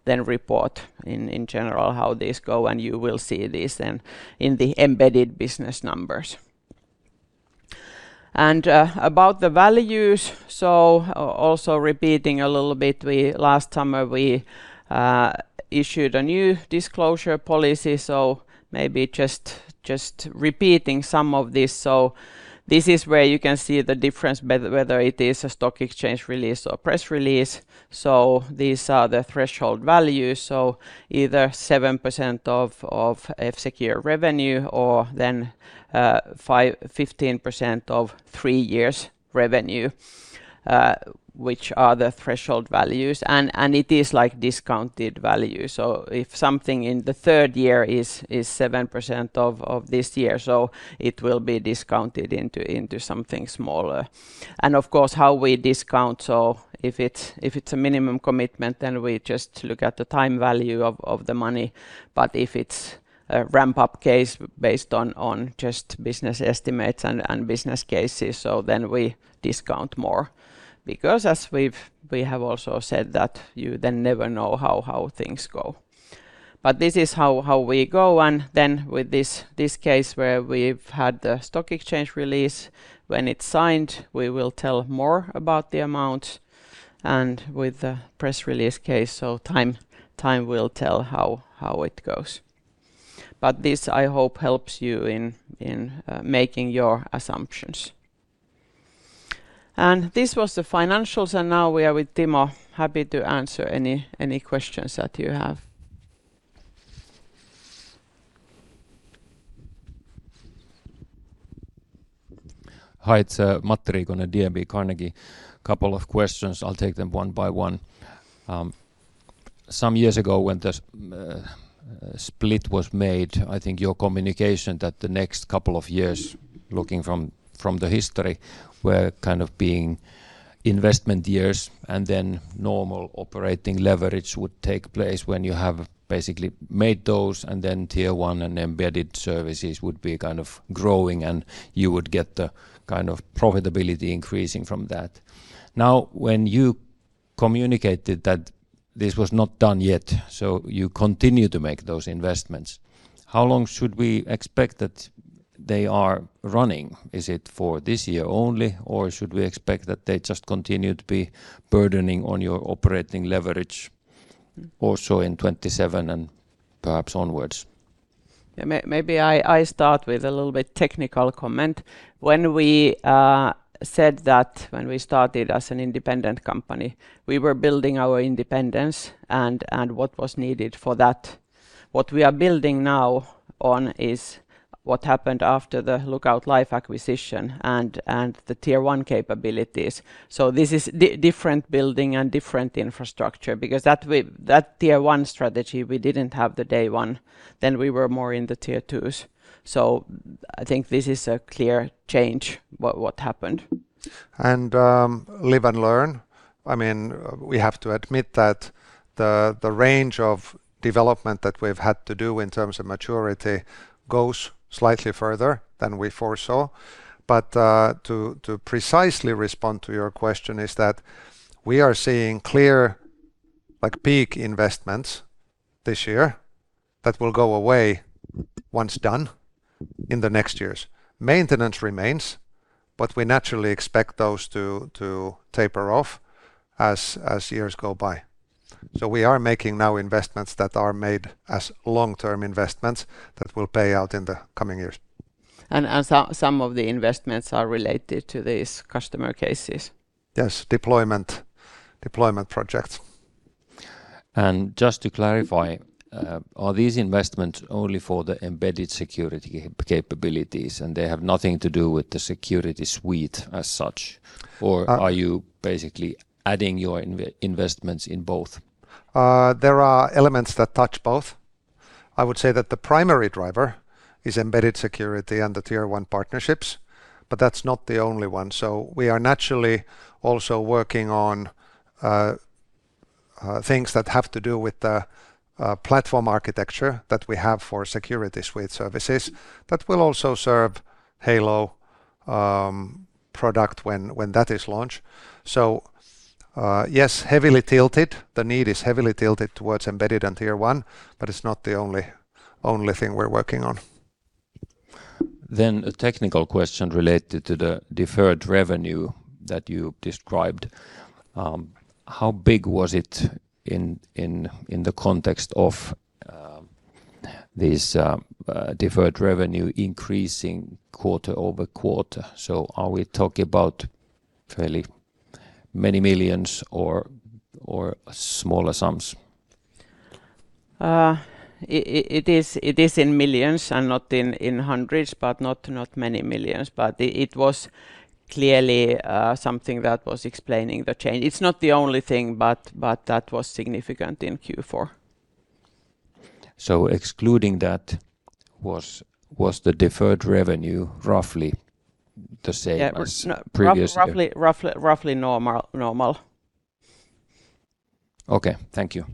then report in general how these go. You will see this then in the embedded business numbers. About the values, so also repeating a little bit, last summer, we issued a new disclosure policy. Maybe just repeating some of this. This is where you can see the difference, whether it is a stock exchange release or press release. These are the threshold values. Either 7% of F-Secure revenue or then 15% of three years revenue, which are the threshold values. It is like discounted value. If something in the third year is 7% of this year, so it will be discounted into something smaller. Of course, how we discount. If it's a minimum commitment, then we just look at the time value of the money. But if it's a ramp-up case based on just business estimates and business cases, so then we discount more because, as we have also said, that you then never know how things go. But this is how we go. And then, with this case where we've had the stock exchange release, when it's signed, we will tell more about the amount. And with the press release case, so time will tell how it goes. But this, I hope, helps you in making your assumptions. And this was the financials. And now we are with Timo, happy to answer any questions that you have. Hi. It's Matti Riikonen, DNB Carnegie. A couple of questions. I'll take them one by one. Some years ago, when the split was made, I think your communication that the next couple of years, looking from the history, were kind of being investment years. Then, normal operating leverage would take place when you have basically made those. Then, Tier 1 and embedded services would be kind of growing. You would get the kind of profitability increasing from that. Now, when you communicated that this was not done yet, so you continue to make those investments, how long should we expect that they are running? Is it for this year only? Or should we expect that they just continue to be burdening on your operating leverage also in 2027 and perhaps onwards? Maybe I start with a little bit technical comment. When we said that when we started as an independent company, we were building our independence. And what was needed for that, what we are building now on is what happened after the Lookout Life acquisition and the Tier 1 capabilities. So, this is different building and different infrastructure because that Tier 1 strategy, we didn't have the day one. Then, we were more in the Tier 2s. So, I think this is a clear change, what happened. And live and learn. I mean, we have to admit that the range of development that we've had to do in terms of maturity goes slightly further than we foresaw. But to precisely respond to your question, is that we are seeing clear peak investments this year that will go away once done in the next years. Maintenance remains. But we naturally expect those to taper off as years go by. So, we are making now investments that are made as long-term investments that will pay out in the coming years. Some of the investments are related to these customer cases? Yes, deployment projects. Just to clarify, are these investments only for the embedded security capabilities? They have nothing to do with the security suite as such. Or are you basically adding your investments in both? There are elements that touch both. I would say that the primary driver is embedded security and the Tier 1 partnerships. But that's not the only one. So, we are naturally also working on things that have to do with the platform architecture that we have for security suite services that will also serve Halo product when that is launched. So, yes, heavily tilted. The need is heavily tilted towards embedded and Tier 1. But it's not the only thing we're working on. Then, a technical question related to the deferred revenue that you described. How big was it in the context of this deferred revenue increasing quarter-over-quarter? So, are we talking about fairly many millions or smaller sums? It is in millions and not in hundreds, but not many millions. But it was clearly something that was explaining the change. It's not the only thing, but that was significant in Q4. Excluding that, was the deferred revenue roughly the same as previous? Roughly normal. Okay. Thank you.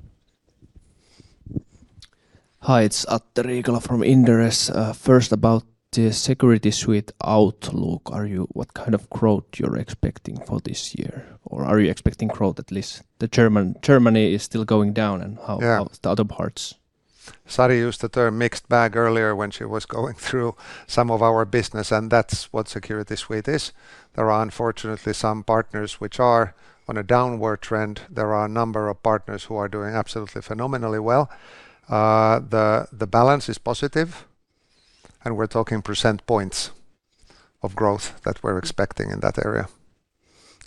Hi. It's Atte Riikola from Inderes. First, about the security suite outlook, what kind of growth are you expecting for this year? Or are you expecting growth at least? Germany is still going down. How about the other parts? Sari used the term mixed bag earlier when she was going through some of our business. That's what security suite is. There are, unfortunately, some partners which are on a downward trend. There are a number of partners who are doing absolutely phenomenally well. The balance is positive. We're talking percentage points of growth that we're expecting in that area.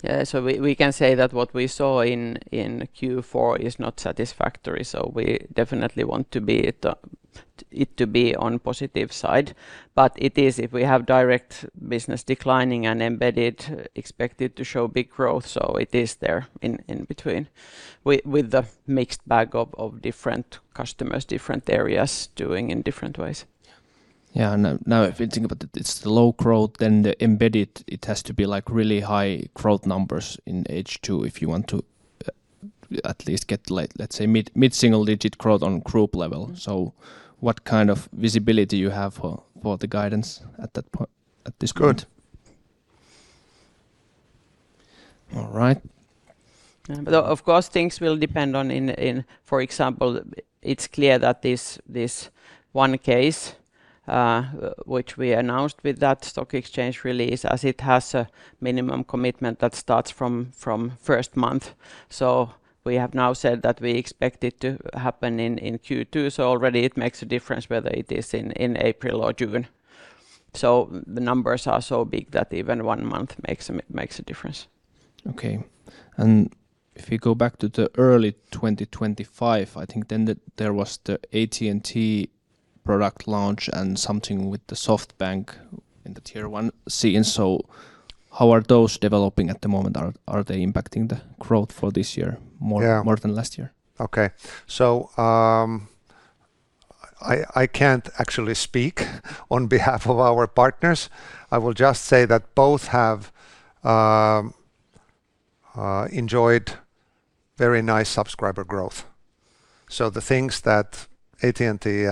Yeah. So, we can say that what we saw in Q4 is not satisfactory. So, we definitely want it to be on the positive side. But it is, if we have direct business declining and embedded expected to show big growth. So, it is there in between with the mixed bag of different customers, different areas doing in different ways. Yeah. And now, if you think about it, it's the low growth. Then, the embedded, it has to be like really high growth numbers in H2 if you want to at least get, let's say, mid-single digit growth on group level. So, what kind of visibility do you have for the guidance at this point? Good. All right. Of course, things will depend on, for example, it's clear that this one case, which we announced with that stock exchange release, as it has a minimum commitment that starts from first month. So, we have now said that we expect it to happen in Q2. So, already, it makes a difference whether it is in April or June. So, the numbers are so big that even one month makes a difference. Okay. And if we go back to the early 2025, I think then there was the AT&T product launch and something with the SoftBank in the Tier 1 scene. So, how are those developing at the moment? Are they impacting the growth for this year more than last year? Okay. So, I can't actually speak on behalf of our partners. I will just say that both have enjoyed very nice subscriber growth. So, the things that AT&T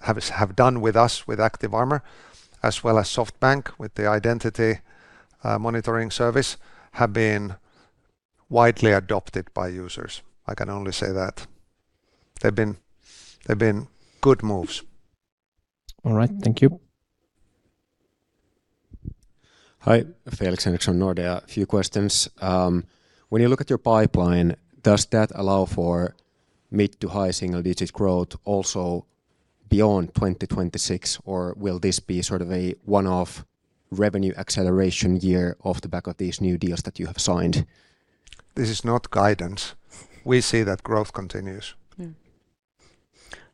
have done with us, with ActiveArmor, as well as SoftBank with the identity monitoring service, have been widely adopted by users. I can only say that. They've been good moves. All right. Thank you. Hi. Felix Henriksson, Nordea. A few questions. When you look at your pipeline, does that allow for mid to high single digit growth also beyond 2026? Or will this be sort of a one-off revenue acceleration year off the back of these new deals that you have signed? This is not guidance. We see that growth continues.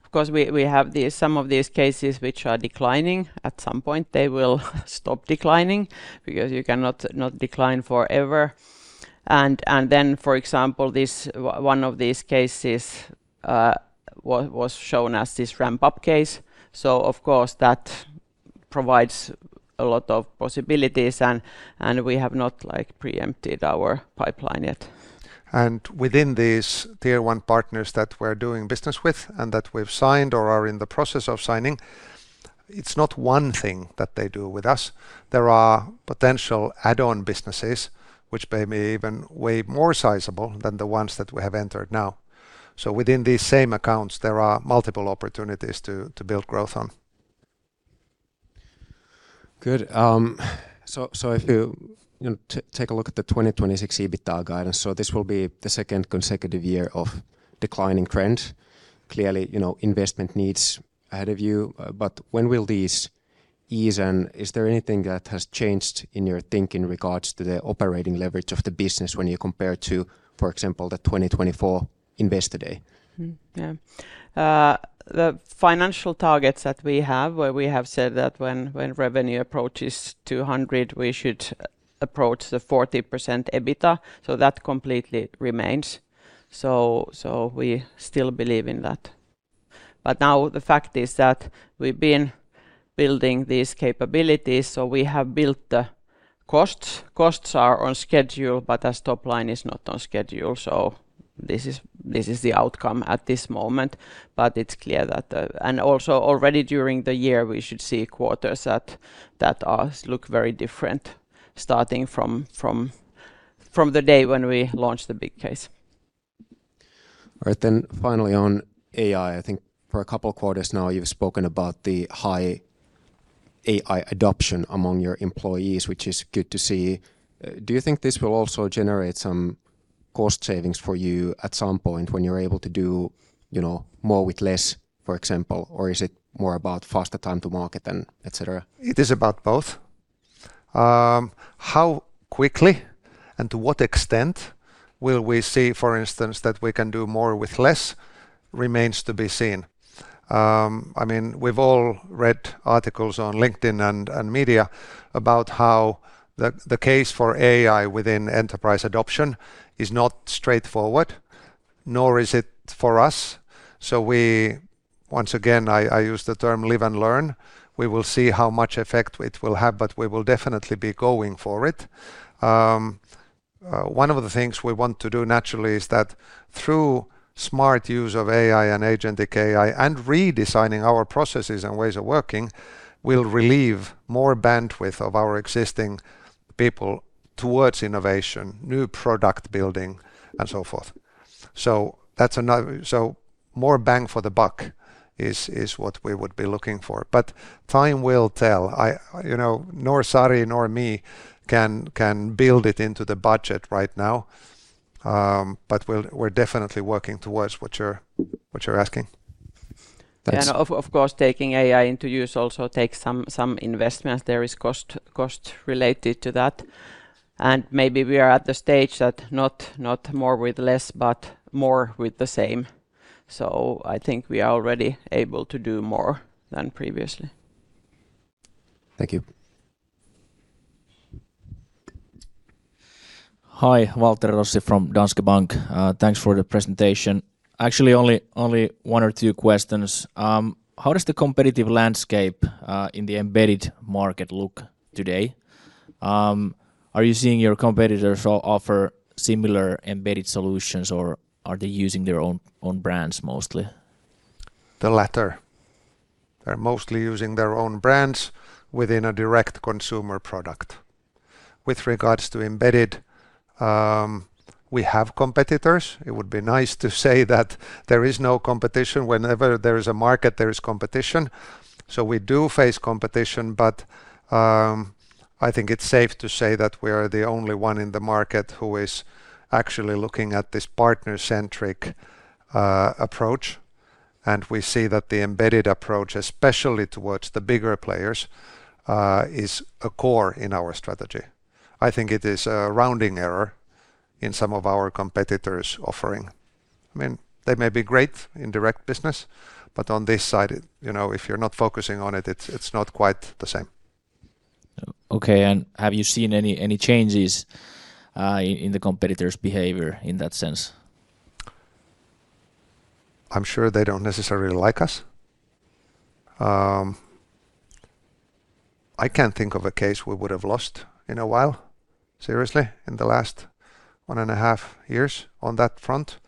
Of course, we have some of these cases which are declining. At some point, they will stop declining because you cannot decline forever. Then, for example, one of these cases was shown as this ramp-up case. Of course, that provides a lot of possibilities. We have not preempted our pipeline yet. Within these Tier 1 partners that we're doing business with and that we've signed or are in the process of signing, it's not one thing that they do with us. There are potential add-on businesses, which may be even way more sizable than the ones that we have entered now. Within these same accounts, there are multiple opportunities to build growth on. Good. So, if you take a look at the 2026 EBITDA guidance, so this will be the second consecutive year of declining trend. Clearly, investment needs ahead of you. But when will these ease? And is there anything that has changed in your thinking regarding the operating leverage of the business when you compare to, for example, the 2024 investor day? Yeah. The financial targets that we have, where we have said that when revenue approaches 200, we should approach the 40% EBITDA. So, that completely remains. So, we still believe in that. But now, the fact is that we've been building these capabilities. So, we have built the costs. Costs are on schedule. But the top line is not on schedule. So, this is the outcome at this moment. But it's clear that, and also, already during the year, we should see quarters that look very different, starting from the day when we launched the big case. All right. Then, finally, on AI, I think for a couple of quarters now, you've spoken about the high AI adoption among your employees, which is good to see. Do you think this will also generate some cost savings for you at some point when you're able to do more with less, for example? Or is it more about faster time to market, etc.? It is about both. How quickly and to what extent will we see, for instance, that we can do more with less remains to be seen. I mean, we've all read articles on LinkedIn and media about how the case for AI within enterprise adoption is not straightforward, nor is it for us. So, we, once again, I use the term live and learn. We will see how much effect it will have. But we will definitely be going for it. One of the things we want to do naturally is that, through smart use of AI and Agentic AI and redesigning our processes and ways of working, we'll relieve more bandwidth of our existing people towards innovation, new product building, and so forth. So, more bang for the buck is what we would be looking for. But time will tell. Nor Sari, nor me can build it into the budget right now. But we're definitely working towards what you're asking. And, of course, taking AI into use also takes some investment. There is cost related to that. And maybe we are at the stage that not more with less, but more with the same. So, I think we are already able to do more than previously. Thank you. Hi. Waltteri Rossi from Danske Bank. Thanks for the presentation. Actually, only one or two questions. How does the competitive landscape in the embedded market look today? Are you seeing your competitors offer similar embedded solutions? Or are they using their own brands mostly? The latter. They're mostly using their own brands within a direct consumer product. With regards to embedded, we have competitors. It would be nice to say that there is no competition. Whenever there is a market, there is competition. So, we do face competition. But I think it's safe to say that we are the only one in the market who is actually looking at this partner-centric approach. And we see that the embedded approach, especially towards the bigger players, is a core in our strategy. I think it is a rounding error in some of our competitors' offering. I mean, they may be great in direct business. But on this side, if you're not focusing on it, it's not quite the same. Okay. Have you seen any changes in the competitors' behavior in that sense? I'm sure they don't necessarily like us. I can't think of a case we would have lost in a while, seriously, in the last one and a half years on that front.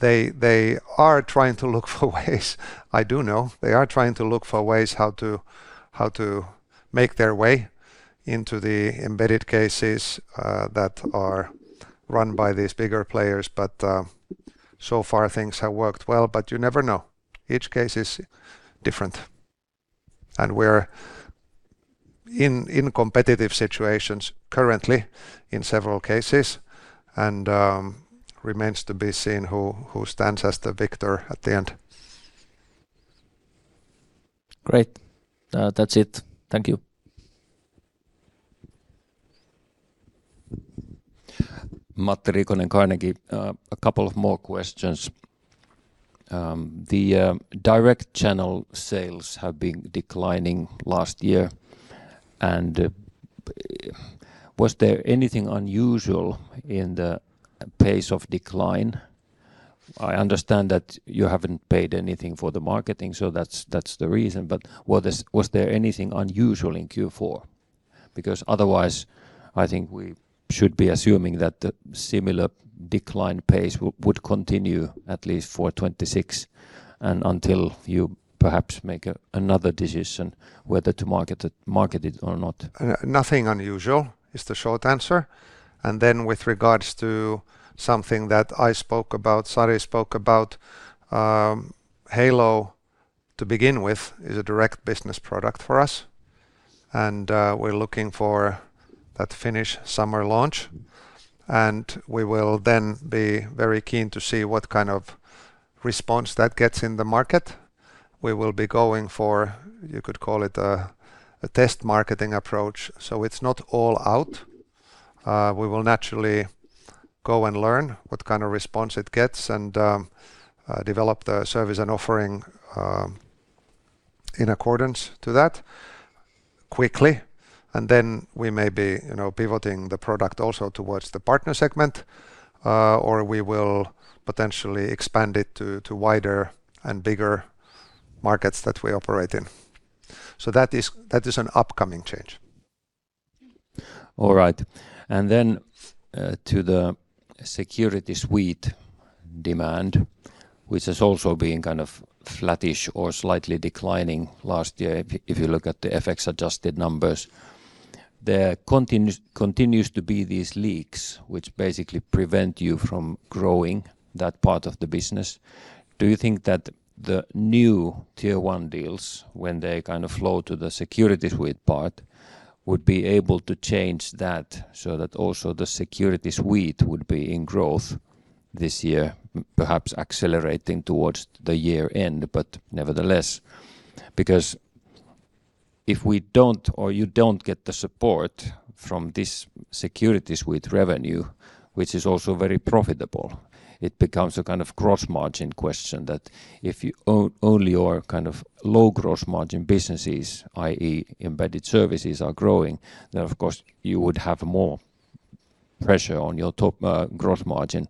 They are trying to look for ways. I do know they are trying to look for ways how to make their way into the embedded cases that are run by these bigger players. But so far, things have worked well. But you never know. Each case is different. And we're in competitive situations currently in several cases. And remains to be seen who stands as the victor at the end. Great. That's it. Thank you. Matti Riikonen, Carnegie. A couple of more questions. The direct channel sales have been declining last year. Was there anything unusual in the pace of decline? I understand that you haven't paid anything for the marketing. So, that's the reason. But was there anything unusual in Q4? Because otherwise, I think we should be assuming that the similar decline pace would continue at least for 2026 and until you perhaps make another decision whether to market it or not. Nothing unusual is the short answer. Then, with regards to something that I spoke about, Sari spoke about, Halo to begin with is a direct business product for us. We're looking for that Finnish summer launch. We will then be very keen to see what kind of response that gets in the market. We will be going for, you could call it a test marketing approach. It's not all out. We will naturally go and learn what kind of response it gets and develop the service and offering in accordance to that quickly. We may be pivoting the product also towards the partner segment. Or we will potentially expand it to wider and bigger markets that we operate in. That is an upcoming change. All right. And then to the security suite demand, which has also been kind of flattish or slightly declining last year, if you look at the FX adjusted numbers, there continues to be these leaks, which basically prevent you from growing that part of the business. Do you think that the new Tier 1 deals, when they kind of flow to the security suite part, would be able to change that so that also the security suite would be in growth this year, perhaps accelerating towards the year end, but nevertheless? Because if we don't or you don't get the support from this security suite revenue, which is also very profitable, it becomes a kind of gross margin question that if only your kind of low gross margin businesses, i.e., embedded services, are growing, then, of course, you would have more pressure on your gross margin,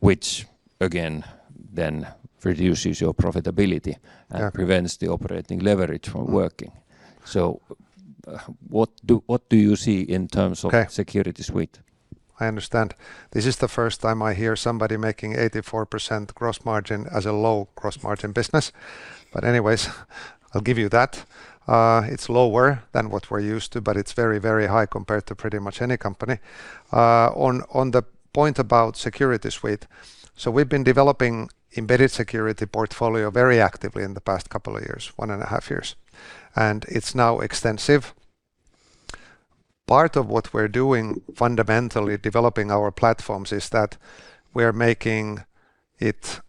which again then reduces your profitability and prevents the operating leverage from working. So, what do you see in terms of security suite? I understand. This is the first time I hear somebody making 84% gross margin as a low gross margin business. But anyways, I'll give you that. It's lower than what we're used to. But it's very, very high compared to pretty much any company. On the point about security suite. So, we've been developing an embedded security portfolio very actively in the past couple of years, one and a half years. And it's now extensive. Part of what we're doing fundamentally developing our platforms is that we're making it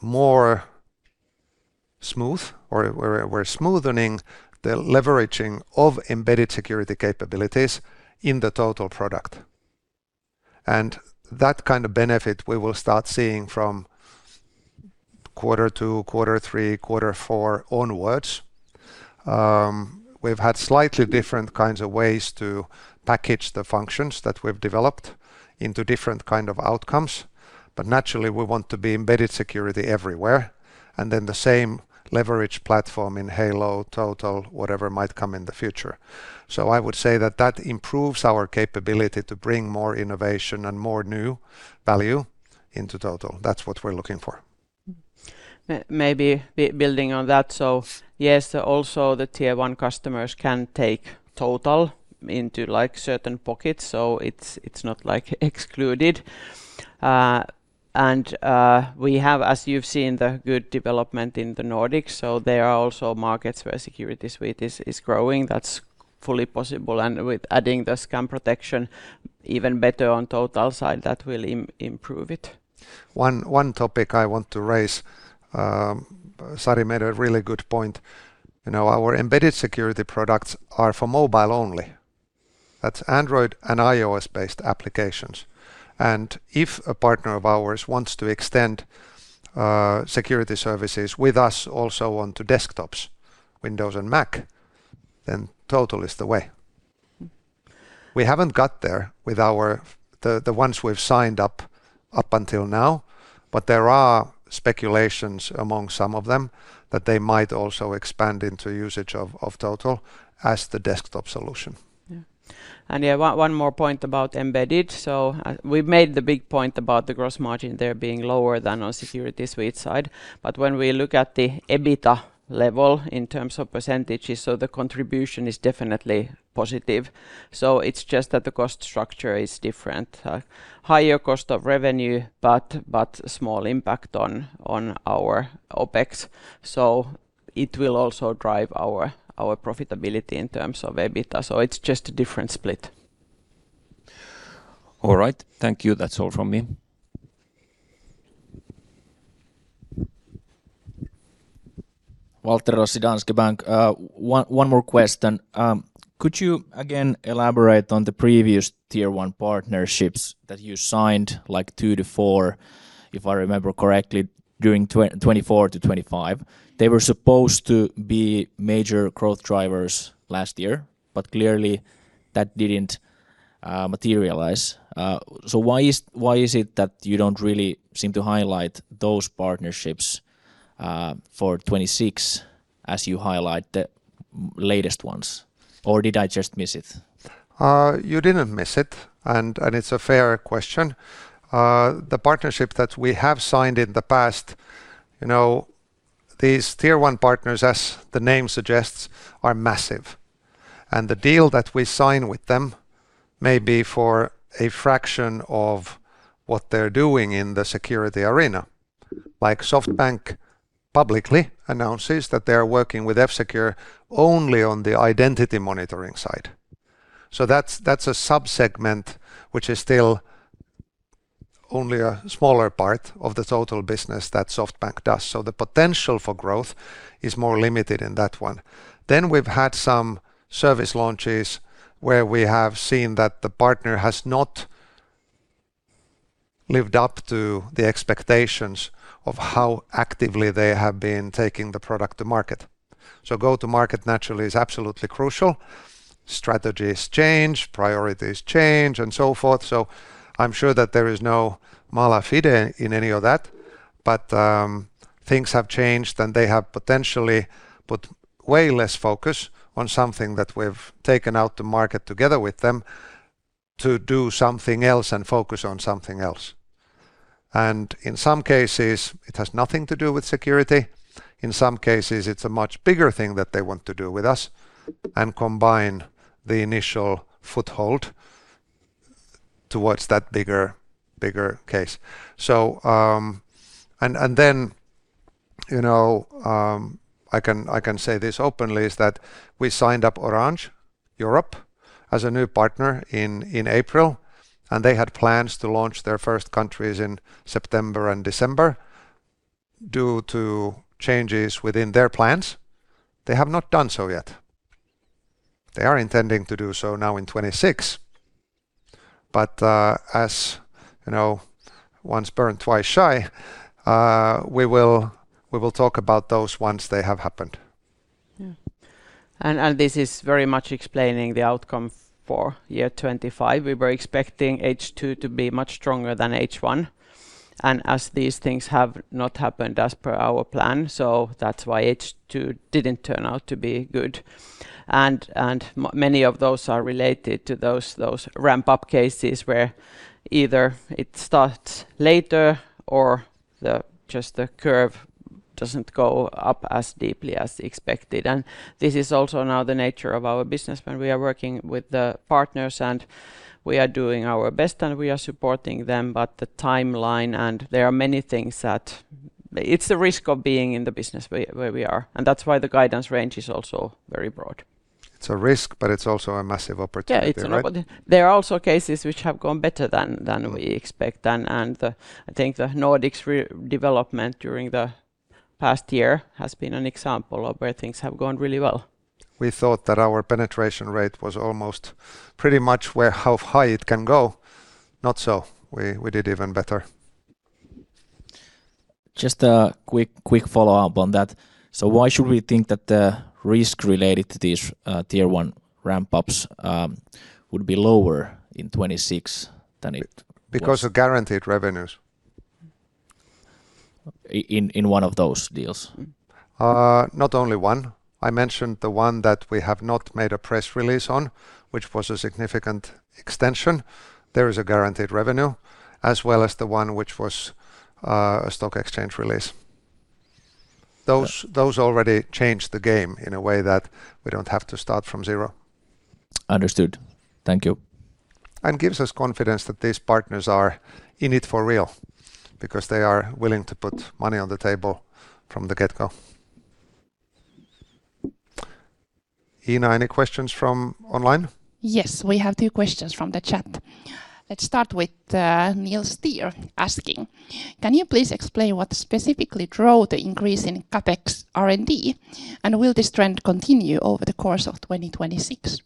more smooth. Or we're smoothening the leveraging of embedded security capabilities in the total product. And that kind of benefit we will start seeing from quarter two, quarter three, quarter four onwards. We've had slightly different kinds of ways to package the functions that we've developed into different kinds of outcomes. But naturally, we want to be embedded security everywhere. And then the same leverage platform in Halo, Total, whatever might come in the future. So, I would say that that improves our capability to bring more innovation and more new value into Total. That's what we're looking for. Maybe building on that. Yes, also the Tier 1 customers can take Total into certain pockets. It's not excluded. We have, as you've seen, the good development in the Nordics. There are also markets where security suite is growing. That's fully possible. With adding the scam protection, even better on Total side, that will improve it. One topic I want to raise. Sari made a really good point. Our embedded security products are for mobile only. That's Android and iOS-based applications. And if a partner of ours wants to extend security services with us also onto desktops, Windows and Mac, then Total is the way. We haven't got there with the ones we've signed up until now. But there are speculations among some of them that they might also expand into usage of Total as the desktop solution. Yeah, one more point about embedded. So, we made the big point about the gross margin there being lower than on security suite side. But when we look at the EBITDA level in terms of percentages, so the contribution is definitely positive. So, it's just that the cost structure is different. Higher cost of revenue, but small impact on our OpEx. So, it will also drive our profitability in terms of EBITDA. So, it's just a different split. All right. Thank you. That's all from me. One more question. Could you again elaborate on the previous Tier 1 partnerships that you signed, like 2-4, if I remember correctly, during 2024-2025? They were supposed to be major growth drivers last year. Clearly, that didn't materialize. Why is it that you don't really seem to highlight those partnerships for 2026 as you highlight the latest ones? Or did I just miss it? You didn't miss it. It's a fair question. The partnerships that we have signed in the past, these Tier 1 partners, as the name suggests, are massive. The deal that we sign with them may be for a fraction of what they're doing in the security arena. Like SoftBank publicly announces that they are working with F-Secure only on the identity monitoring side. So, that's a subsegment, which is still only a smaller part of the total business that SoftBank does. So, the potential for growth is more limited in that one. Then we've had some service launches where we have seen that the partner has not lived up to the expectations of how actively they have been taking the product to market. So, go-to-market naturally is absolutely crucial. Strategies change, priorities change, and so forth. So, I'm sure that there is no mala fide in any of that. But things have changed, and they have potentially put way less focus on something that we've taken out to market together with them to do something else and focus on something else. And in some cases, it has nothing to do with security. In some cases, it's a much bigger thing that they want to do with us and combine the initial foothold towards that bigger case. So, and then I can say this openly, is that we signed up Orange Europe as a new partner in April. And they had plans to launch their first countries in September and December due to changes within their plans. They have not done so yet. They are intending to do so now in 2026. But as once burned, twice shy, we will talk about those ones they have happened. This is very much explaining the outcome for year 2025. We were expecting H2 to be much stronger than H1. And as these things have not happened as per our plan, so that's why H2 didn't turn out to be good. And many of those are related to those ramp-up cases where either it starts later or just the curve doesn't go up as deeply as expected. And this is also now the nature of our business. When we are working with the partners and we are doing our best and we are supporting them, but the timeline and there are many things that it's a risk of being in the business where we are. And that's why the guidance range is also very broad. It's a risk, but it's also a massive opportunity. Yeah, it's an opportunity. There are also cases which have gone better than we expect. I think the Nordics development during the past year has been an example of where things have gone really well. We thought that our penetration rate was almost pretty much how high it can go. Not so. We did even better. Just a quick follow-up on that. So, why should we think that the risk related to these Tier 1 ramp-ups would be lower in 2026 than it would be? Because of guaranteed revenues. In one of those deals? Not only one. I mentioned the one that we have not made a press release on, which was a significant extension. There is a guaranteed revenue, as well as the one which was a stock exchange release. Those already changed the game in a way that we don't have to start from zero. Understood. Thank you. And gives us confidence that these partners are in it for real because they are willing to put money on the table from the get-go. Ina, any questions from online? Yes, we have two questions from the chat. Let's start with Niels Steer asking, can you please explain what specifically drove the increase in CapEx R&D? And will this trend continue over the course of 2026?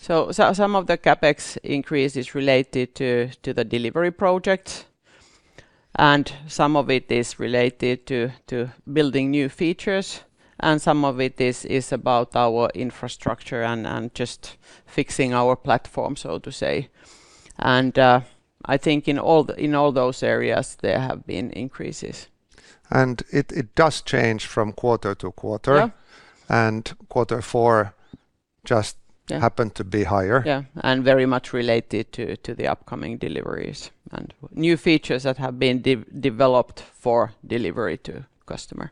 So, some of the CapEx increase is related to the delivery projects. Some of it is related to building new features. Some of it is about our infrastructure and just fixing our platform, so to say. I think in all those areas, there have been increases. It does change from quarter to quarter. quarter four just happened to be higher. Yeah, very much related to the upcoming deliveries and new features that have been developed for delivery to customer.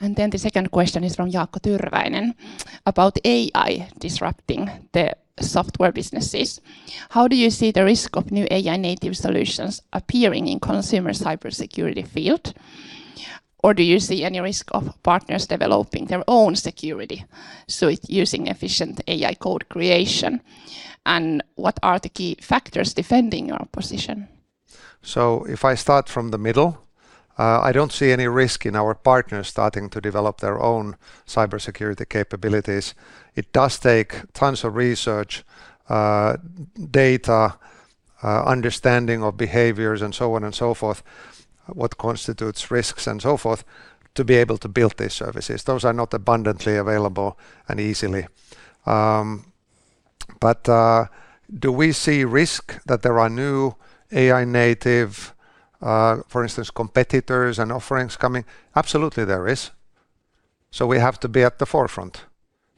Then the second question is from Jaakko Tyrväinen about AI disrupting the software businesses. How do you see the risk of new AI-native solutions appearing in the consumer cybersecurity field? Or do you see any risk of partners developing their own security suite using efficient AI code creation? And what are the key factors defending your position? So, if I start from the middle, I don't see any risk in our partners starting to develop their own cybersecurity capabilities. It does take tons of research, data, understanding of behaviors, and so on and so forth, what constitutes risks and so forth, to be able to build these services. Those are not abundantly available and easily. But do we see risk that there are new AI-native, for instance, competitors and offerings coming? Absolutely, there is. So, we have to be at the forefront.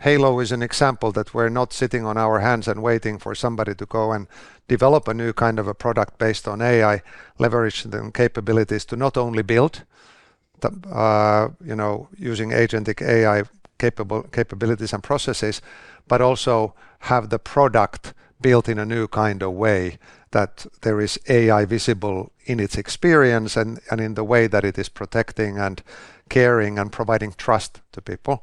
Halo is an example that we're not sitting on our hands and waiting for somebody to go and develop a new kind of a product based on AI leverage and capabilities to not only build using agentic AI capabilities and processes, but also have the product built in a new kind of way that there is AI visible in its experience and in the way that it is protecting and caring and providing trust to people.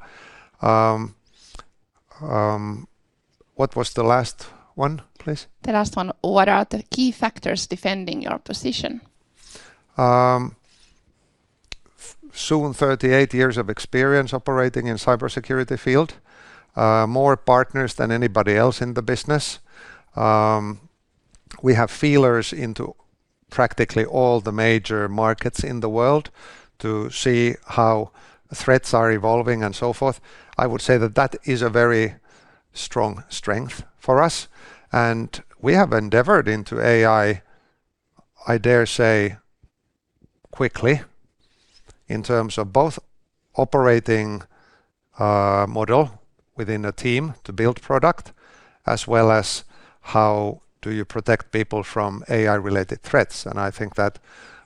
What was the last one, please? The last one. What are the key factors defending your position? Soon, 38 years of experience operating in the cybersecurity field. More partners than anybody else in the business. We have feelers into practically all the major markets in the world to see how threats are evolving and so forth. I would say that that is a very strong strength for us. We have endeavored into AI, I dare say, quickly in terms of both operating a model within a team to build product, as well as how do you protect people from AI-related threats. I think that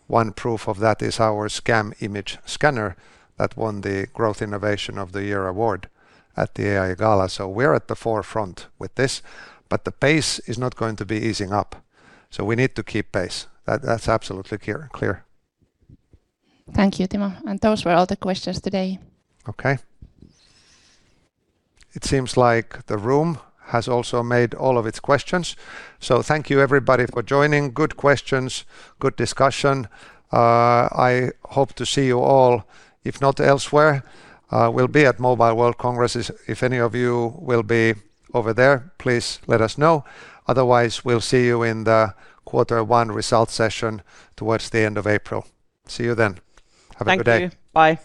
one proof of that is our Scam Image Scanner that won the Growth Innovation of the Year award at the AI Gala. We're at the forefront with this, but the pace is not going to be easing up. We need to keep pace. That's absolutely clear. Thank you, Timo. Those were all the questions today. Okay. It seems like the room has also made all of its questions. So, thank you, everybody, for joining. Good questions. Good discussion. I hope to see you all, if not elsewhere. We'll be at Mobile World Congress. If any of you will be over there, please let us know. Otherwise, we'll see you in the quarter one result session towards the end of April. See you then. Have a good day. Thank you. Bye.